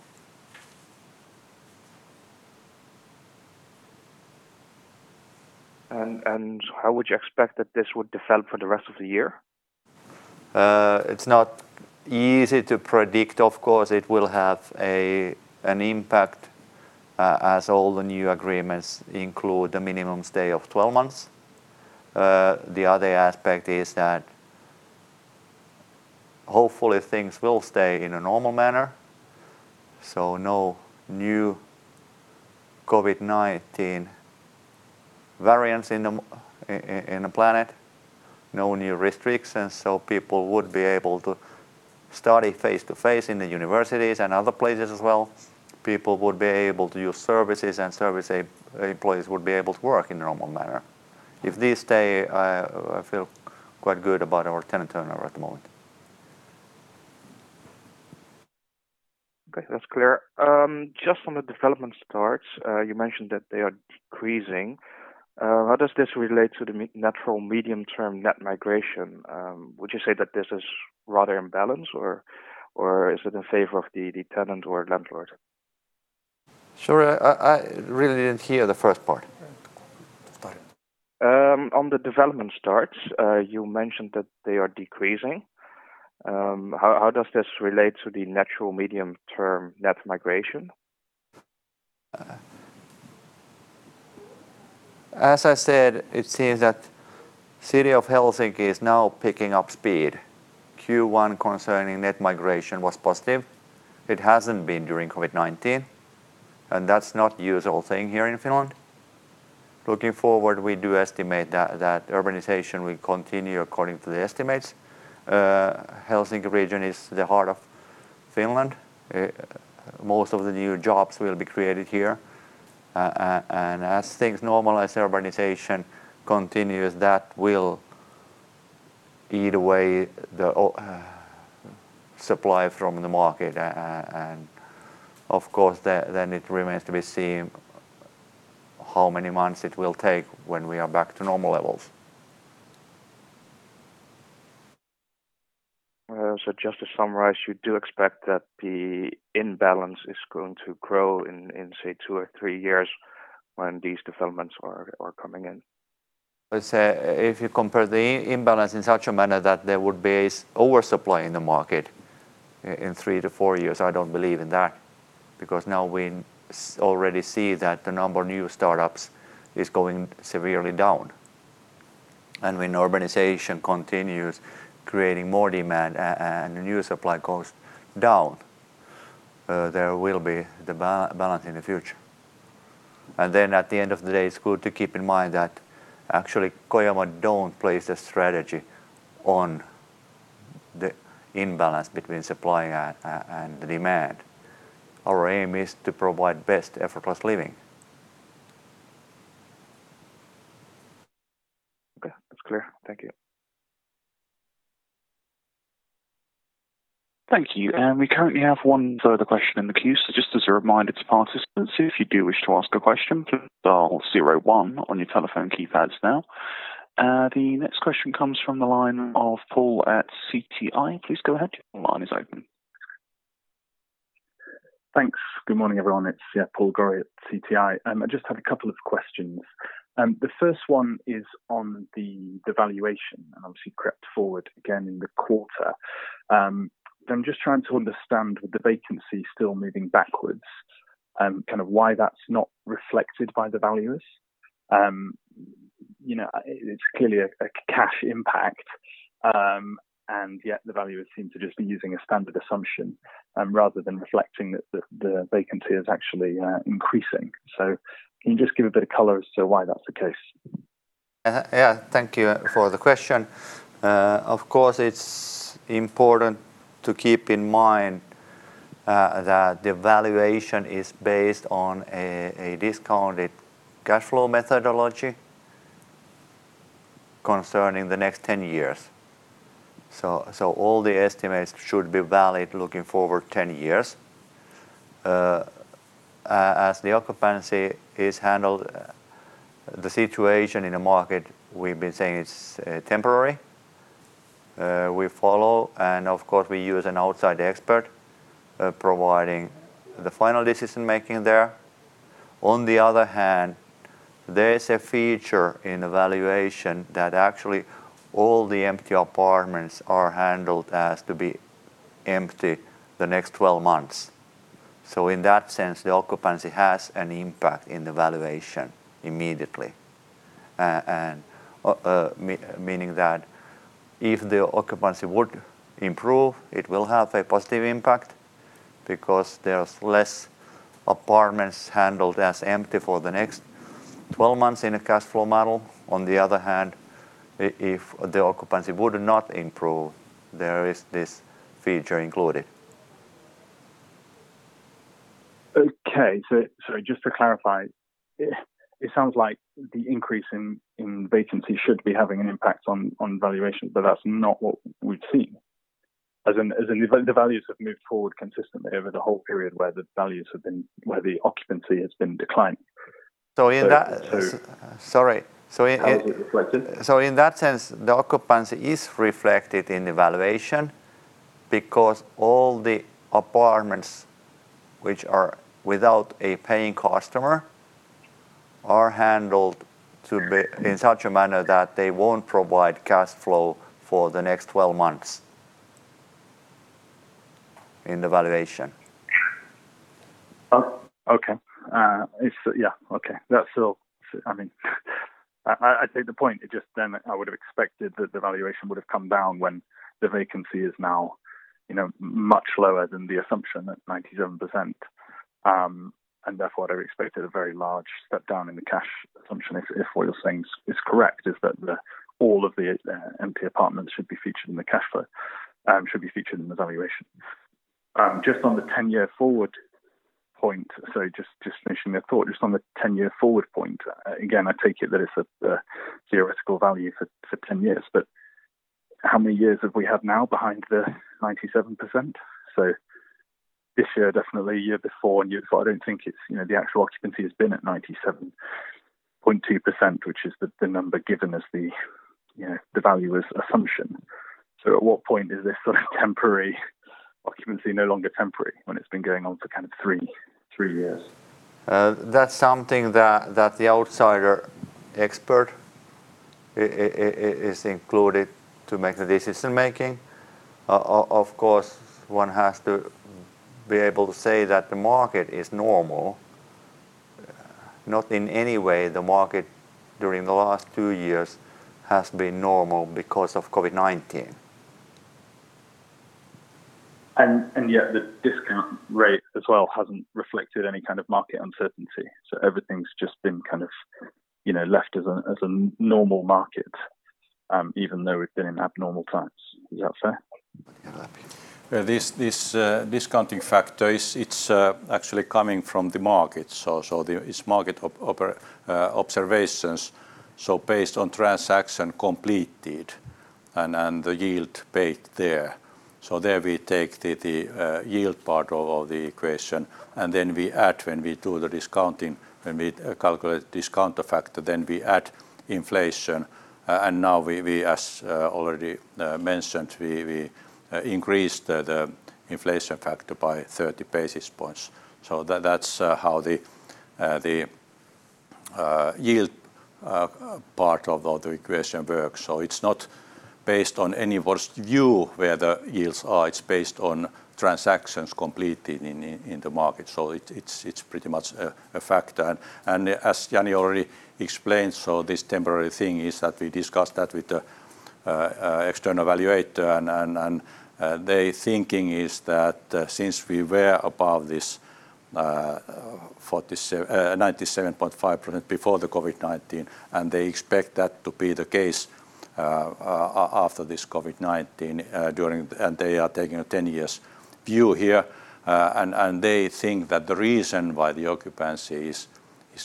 How would you expect that this would develop for the rest of the year? It's not easy to predict. Of course, it will have an impact, as all the new agreements include a minimum stay of 12 months. The other aspect is that hopefully things will stay in a normal manner, so no new COVID-19 variants on the planet, no new restrictions, so people would be able to study face-to-face in the universities and other places as well. People would be able to use services, and service employees would be able to work in normal manner. If this stay, I feel quite good about our tenant turnover at the moment. Okay. That's clear. Just on the development starts, you mentioned that they are decreasing. How does this relate to the natural medium-term net migration? Would you say that this is rather in balance or is it in favor of the tenant or landlord? Sorry, I really didn't hear the first part. Sorry. On the development starts, you mentioned that they are decreasing. How does this relate to the natural medium-term net migration? As I said, it seems that city of Helsinki is now picking up speed. Q1 concerning net migration was positive. It hasn't been during COVID-19, and that's not usual thing here in Finland. Looking forward, we do estimate that urbanization will continue according to the estimates. Helsinki region is the heart of Finland. Most of the new jobs will be created here. As things normalize, urbanization continues, that will eat away the supply from the market. Of course, then it remains to be seen how many months it will take when we are back to normal levels. Just to summarize, you do expect that the imbalance is going to grow in, say, two or three years when these developments are coming in? Let's say if you compare the imbalance in such a manner that there would be oversupply in the market in three to four years, I don't believe in that because now we already see that the number of new startups is going severely down. When urbanization continues creating more demand and the new supply goes down, there will be the balance in the future. At the end of the day, it's good to keep in mind that actually Kojamo don't place a strategy on the imbalance between supply and demand. Our aim is to provide best effortless living. Okay. That's clear. Thank you. Thank you. We currently have one further question in the queue. Just as a reminder to participants, if you do wish to ask a question, please dial zero one on your telephone keypads now. The next question comes from the line of Pouya Ghaffari at Citi. Please go ahead. Your line is open. Thanks. Good morning, everyone. It's yeah, Pouya Ghaffari at Citi. I just have a couple of questions. The first one is on the valuation. Obviously you crept forward again in the quarter. I'm just trying to understand with the vacancy still moving backwards, kind of why that's not reflected by the valuers. You know, it's clearly a cash impact. Yet the valuers seem to just be using a standard assumption, rather than reflecting that the vacancy is actually increasing. Can you just give a bit of color as to why that's the case? Thank you for the question. Of course, it's important to keep in mind that the valuation is based on a discounted cash flow methodology concerning the next 10 years. All the estimates should be valid looking forward 10 years. As the occupancy is handled, the situation in the market, we've been saying it's temporary. We follow, and of course, we use an outside expert providing the final decision-making there. On the other hand, there's a feature in the valuation that actually all the empty apartments are handled as to be empty the next 12 months. In that sense, the occupancy has an impact in the valuation immediately. Meaning that if the occupancy would improve, it will have a positive impact because there's less apartments handled as empty for the next 12 months in a cash flow model. On the other hand, if the occupancy would not improve, there is this feature included. Okay. Just to clarify, it sounds like the increase in vacancy should be having an impact on valuation, but that's not what we've seen. As in, the values have moved forward consistently over the whole period where the occupancy has been declining. In that. So, so- Sorry. How is it reflected? In that sense, the occupancy is reflected in the valuation because all the apartments which are without a paying customer are handled to be in such a manner that they won't provide cash flow for the next 12 months in the valuation. Oh, okay. It's yeah. Okay. That's all. I mean, I take the point. It just then I would have expected that the valuation would have come down when the vacancy is now, you know, much lower than the assumption at 97%. And therefore, I expected a very large step down in the cash assumption if what you're saying is correct, is that all of the empty apartments should be featured in the cash flow, should be featured in the valuation. Just on the 10-year forward point. Just finishing my thought, just on the 10-year forward point, again, I take it that it's a theoretical value for 10 years. But how many years have we had now behind the 97%? This year, definitely year before. You so I don't think it's, you know, the actual occupancy has been at 97.2%, which is the number given as the, you know, the valuer's assumption. At what point is this sort of temporary occupancy no longer temporary when it's been going on for kind of three years? That's something that the outsider expert is included to make the decision-making. Of course, one has to be able to say that the market is normal. Not in any way the market during the last two years has been normal because of COVID-19. Yet the discount rate as well hasn't reflected any kind of market uncertainty. Everything's just been kind of, you know, left as a normal market, even though we've been in abnormal times. Is that fair? Yeah. This discounting factor is. It's actually coming from the market. It's market observations based on transactions completed and the yield paid there. There we take the yield part of the equation, and then we add when we do the discounting, when we calculate discount factor, then we add inflation. Now we, as already mentioned, increase the inflation factor by 30 basis points. That's how the yield part of the equation works. It's not based on any worst view where the yields are. It's based on transactions completed in the market. It's pretty much a factor. As Jani already explained, this temporary thing is that we discussed that with the external evaluator. Their thinking is that since we were above this 97.5% before the COVID-19, and they expect that to be the case after this COVID-19 during. They are taking a 10 years view here. They think that the reason why the occupancy is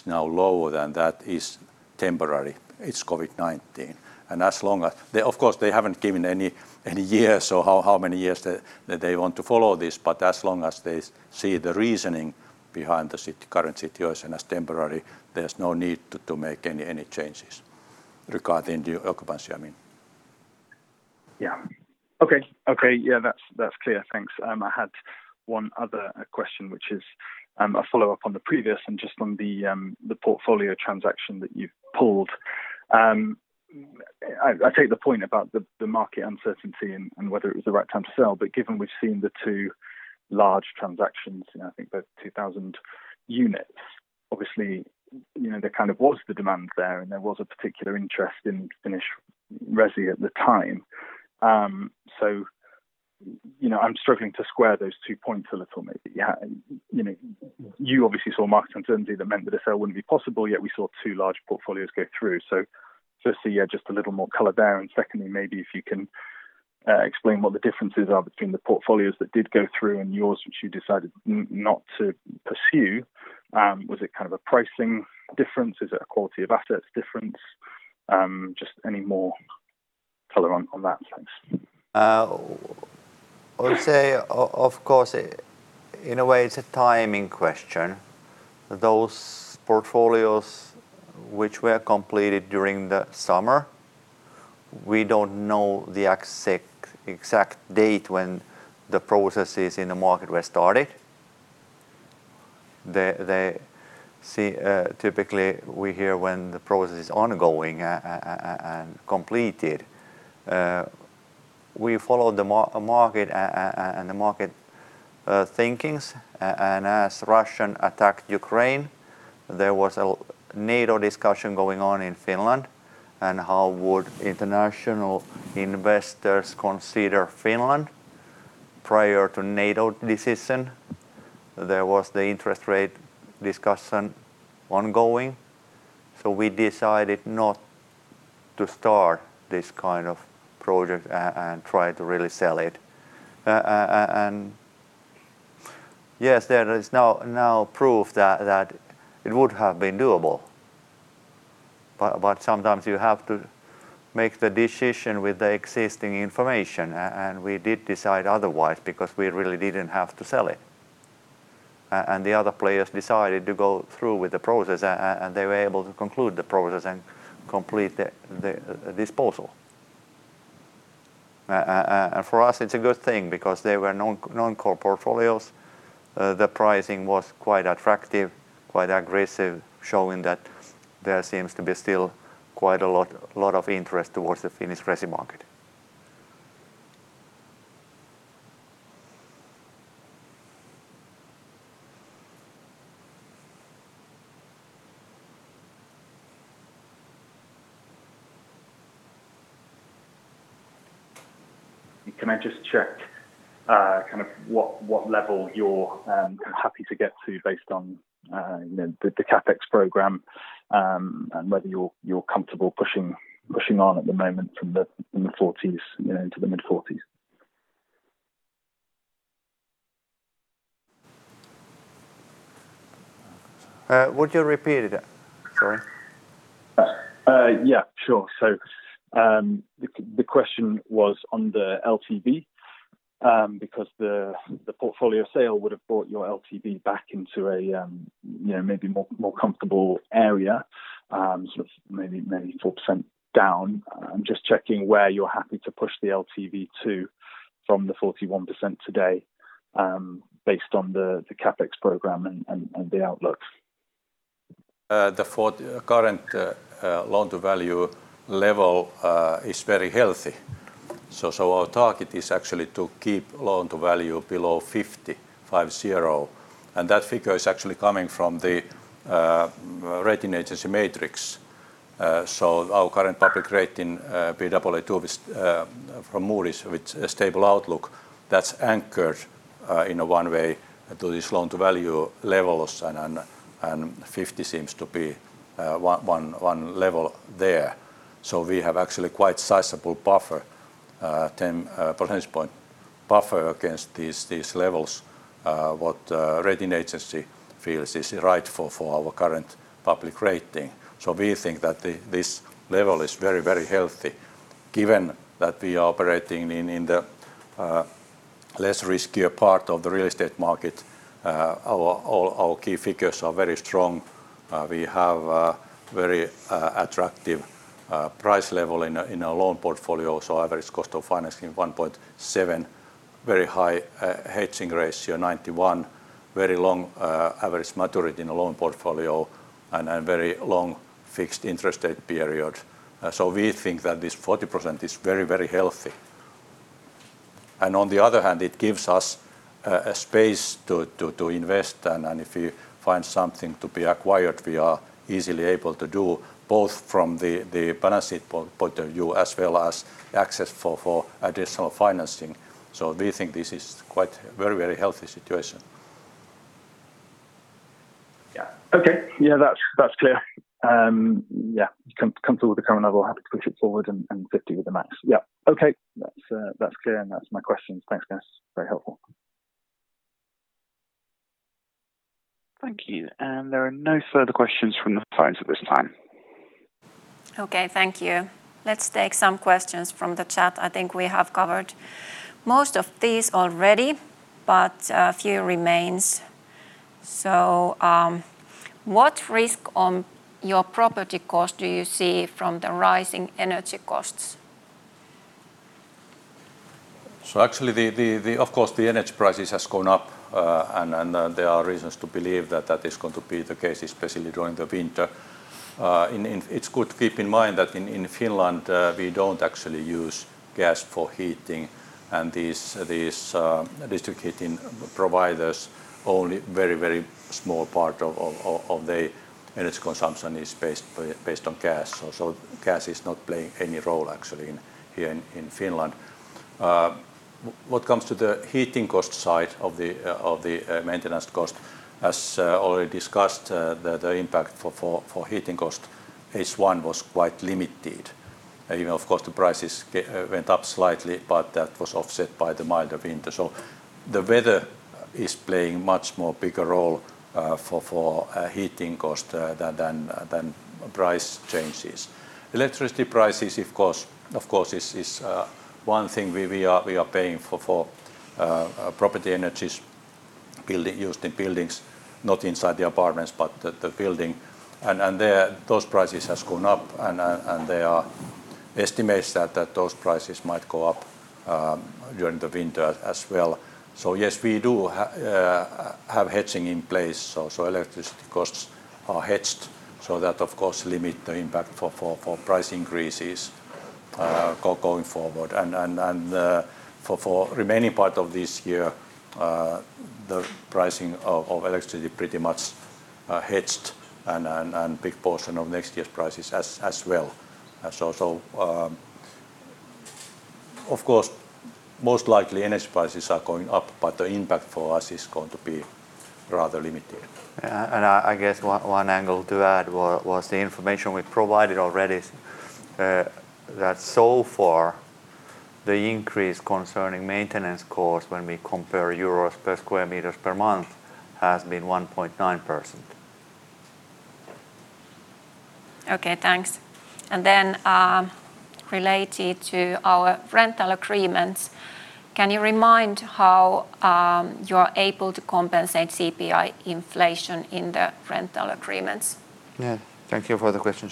now lower than that is temporary. It's COVID-19. As long as they haven't given any years or how many years that they want to follow this, but as long as they see the reasoning behind the current situation as temporary, there's no need to make any changes regarding the occupancy, I mean. Yeah. Okay. Yeah, that's clear. Thanks. I had one other question, which is a follow-up on the previous and just on the portfolio transaction that you've pulled. I take the point about the market uncertainty and whether it was the right time to sell. But given we've seen the two large transactions, and I think they're 2,000 units, obviously, you know, there kind of was the demand there, and there was a particular interest in Finnish resi at the time. You know, I'm struggling to square those two points a little maybe. Yeah, you know, you obviously saw market uncertainty that meant that a sale wouldn't be possible, yet we saw two large portfolios go through. Firstly, yeah, just a little more color there. Secondly, maybe if you can explain what the differences are between the portfolios that did go through and yours, which you decided not to pursue. Was it kind of a pricing difference? Is it a quality of assets difference? Just any more color on that. Thanks. I would say of course, in a way it's a timing question. Those portfolios which were completed during the summer, we don't know the exact date when the processes in the market were started. Typically, we hear when the process is ongoing and completed. We follow the market and the market thinking. As Russia attacked Ukraine, there was a NATO discussion going on in Finland and how would international investors consider Finland. Prior to NATO decision, there was the interest rate discussion ongoing. We decided not to start this kind of project and try to really sell it. Yes, there is now proof that it would have been doable. Sometimes you have to make the decision with the existing information. We did decide otherwise because we really didn't have to sell it. The other players decided to go through with the process, and they were able to conclude the process and complete the disposal. For us, it's a good thing because they were non-core portfolios. The pricing was quite attractive, quite aggressive, showing that there seems to be still quite a lot of interest towards the Finnish resi market. Can I just check kind of what level you're happy to get to based on you know the CapEx program and whether you're comfortable pushing on at the moment from in the 40s you know into the mid-40s? Would you repeat it? Sorry. Yeah, sure. The question was on the LTV, because the portfolio sale would have brought your LTV back into a, you know, maybe more comfortable area, sort of maybe 4% down. I'm just checking where you're happy to push the LTV to from the 41% today, based on the CapEx program and the outlooks. Current loan-to-value level is very healthy. Our target is actually to keep loan-to-value below 50. That figure is actually coming from the rating agency matrix. Our current public rating, Aa2, is from Moody's with a stable outlook that's anchored in a one way loan-to-value level and 50% seems to be one level there. We have actually quite sizable buffer, 10 percentage point buffer against these levels what rating agency feels is rightful for our current public rating. We think that this level is very, very healthy given that we are operating in the less riskier part of the real estate market. Our all our key figures are very strong. We have a very attractive price level in our loan portfolio. Average cost of financing 1.7%. Very high hedging ratio, 91%. Very long average maturity in the loan portfolio, and a very long fixed interest rate period. We think that this 40% is very, very healthy. On the other hand, it gives us a space to invest. If we find something to be acquired, we are easily able to do both from the balance sheet point of view as well as access for additional financing. We think this is quite very, very healthy situation. Yeah. Okay. Yeah, that's clear. Yeah. Comfortable with the current level. Happy to push it forward, and 50% with the max. Yeah. Okay. That's clear, and that's my questions. Thanks, guys. Very helpful. Thank you. There are no further questions from the phones at this time. Okay, thank you. Let's take some questions from the chat. I think we have covered most of these already, but a few remains. What risk on your property cost do you see from the rising energy costs? Actually, of course, the energy prices has gone up, and there are reasons to believe that that is going to be the case, especially during the winter. It's good to keep in mind that in Finland, we don't actually use gas for heating. These district heating providers only very small part of the energy consumption is based on gas. Gas is not playing any role actually in here in Finland. What comes to the heating cost side of the maintenance cost, as already discussed, the impact for heating cost, H1 was quite limited. You know, of course, the prices went up slightly, but that was offset by the milder winter. The weather is playing much more bigger role for heating cost than price changes. Electricity prices, of course, is one thing we are paying for property energy used in the building, not inside the apartments, but the building. There those prices has gone up, and there are estimates that those prices might go up during the winter as well. Yes, we do have hedging in place. Electricity costs are hedged. That of course limit the impact for price increases going forward. For remaining part of this year, the pricing of electricity pretty much hedged and big portion of next year's prices as well. Of course, most likely energy prices are going up, but the impact for us is going to be rather limited. I guess one angle to add was the information we provided already, that so far the increase concerning maintenance cost when we compare euro per square meter per month has been 1.9%. Okay, thanks. Related to our rental agreements, can you remind how you are able to compensate CPI inflation in the rental agreements? Yeah. Thank you for the question.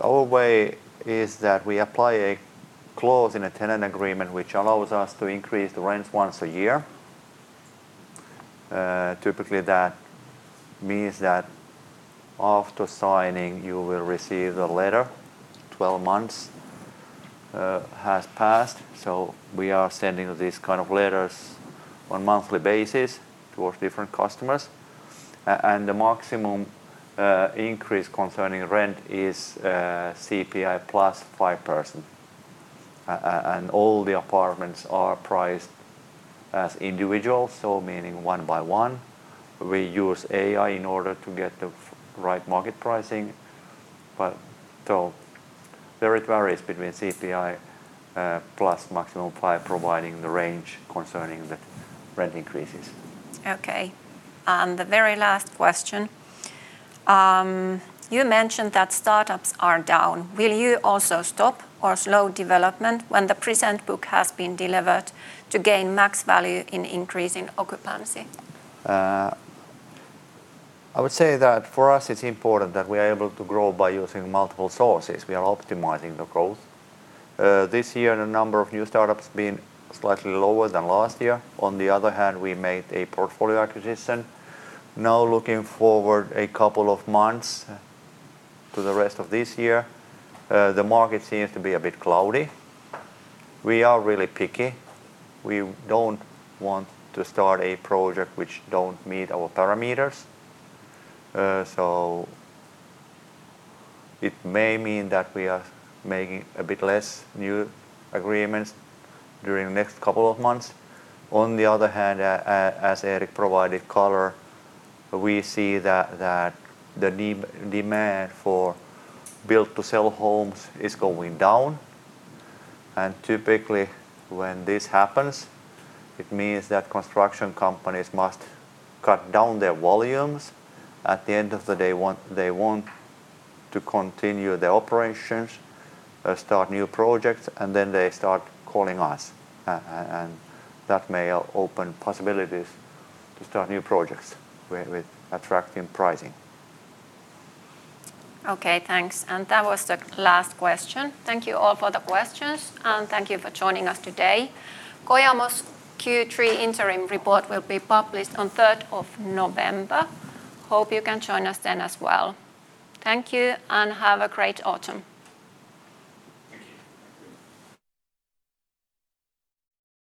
Our way is that we apply a clause in a tenant agreement which allows us to increase the rent once a year. Typically that means that after signing you will receive a letter 12 months has passed. We are sending these kind of letters on monthly basis towards different customers. And the maximum increase concerning rent is CPI plus 5%. And all the apartments are priced as individual, so meaning one by one. We use AI in order to get the right market pricing. There is varies between CPI plus maximum 5% providing the range concerning the rent increases. Okay. The very last question. You mentioned that startups are down. Will you also stop or slow development when the present book has been delivered to gain max value in increasing occupancy? I would say that for us it's important that we are able to grow by using multiple sources. We are optimizing the growth. This year the number of new startups been slightly lower than last year. On the other hand, we made a portfolio acquisition. Now looking forward a couple of months to the rest of this year, the market seems to be a bit cloudy. We are really picky. We don't want to start a project which don't meet our parameters. So it may mean that we are making a bit less new agreements during the next couple of months. On the other hand, as Erik provided color, we see that the demand for build to sell homes is going down. Typically, when this happens, it means that construction companies must cut down their volumes. At the end of the day, want. They want to continue their operations, start new projects, and then they start calling us. That may open possibilities to start new projects with attracting pricing. Okay, thanks. That was the last question. Thank you all for the questions, and thank you for joining us today. Kojamo's Q3 interim report will be published on 3rd of November. Hope you can join us then as well. Thank you, and have a great autumn. Thank you.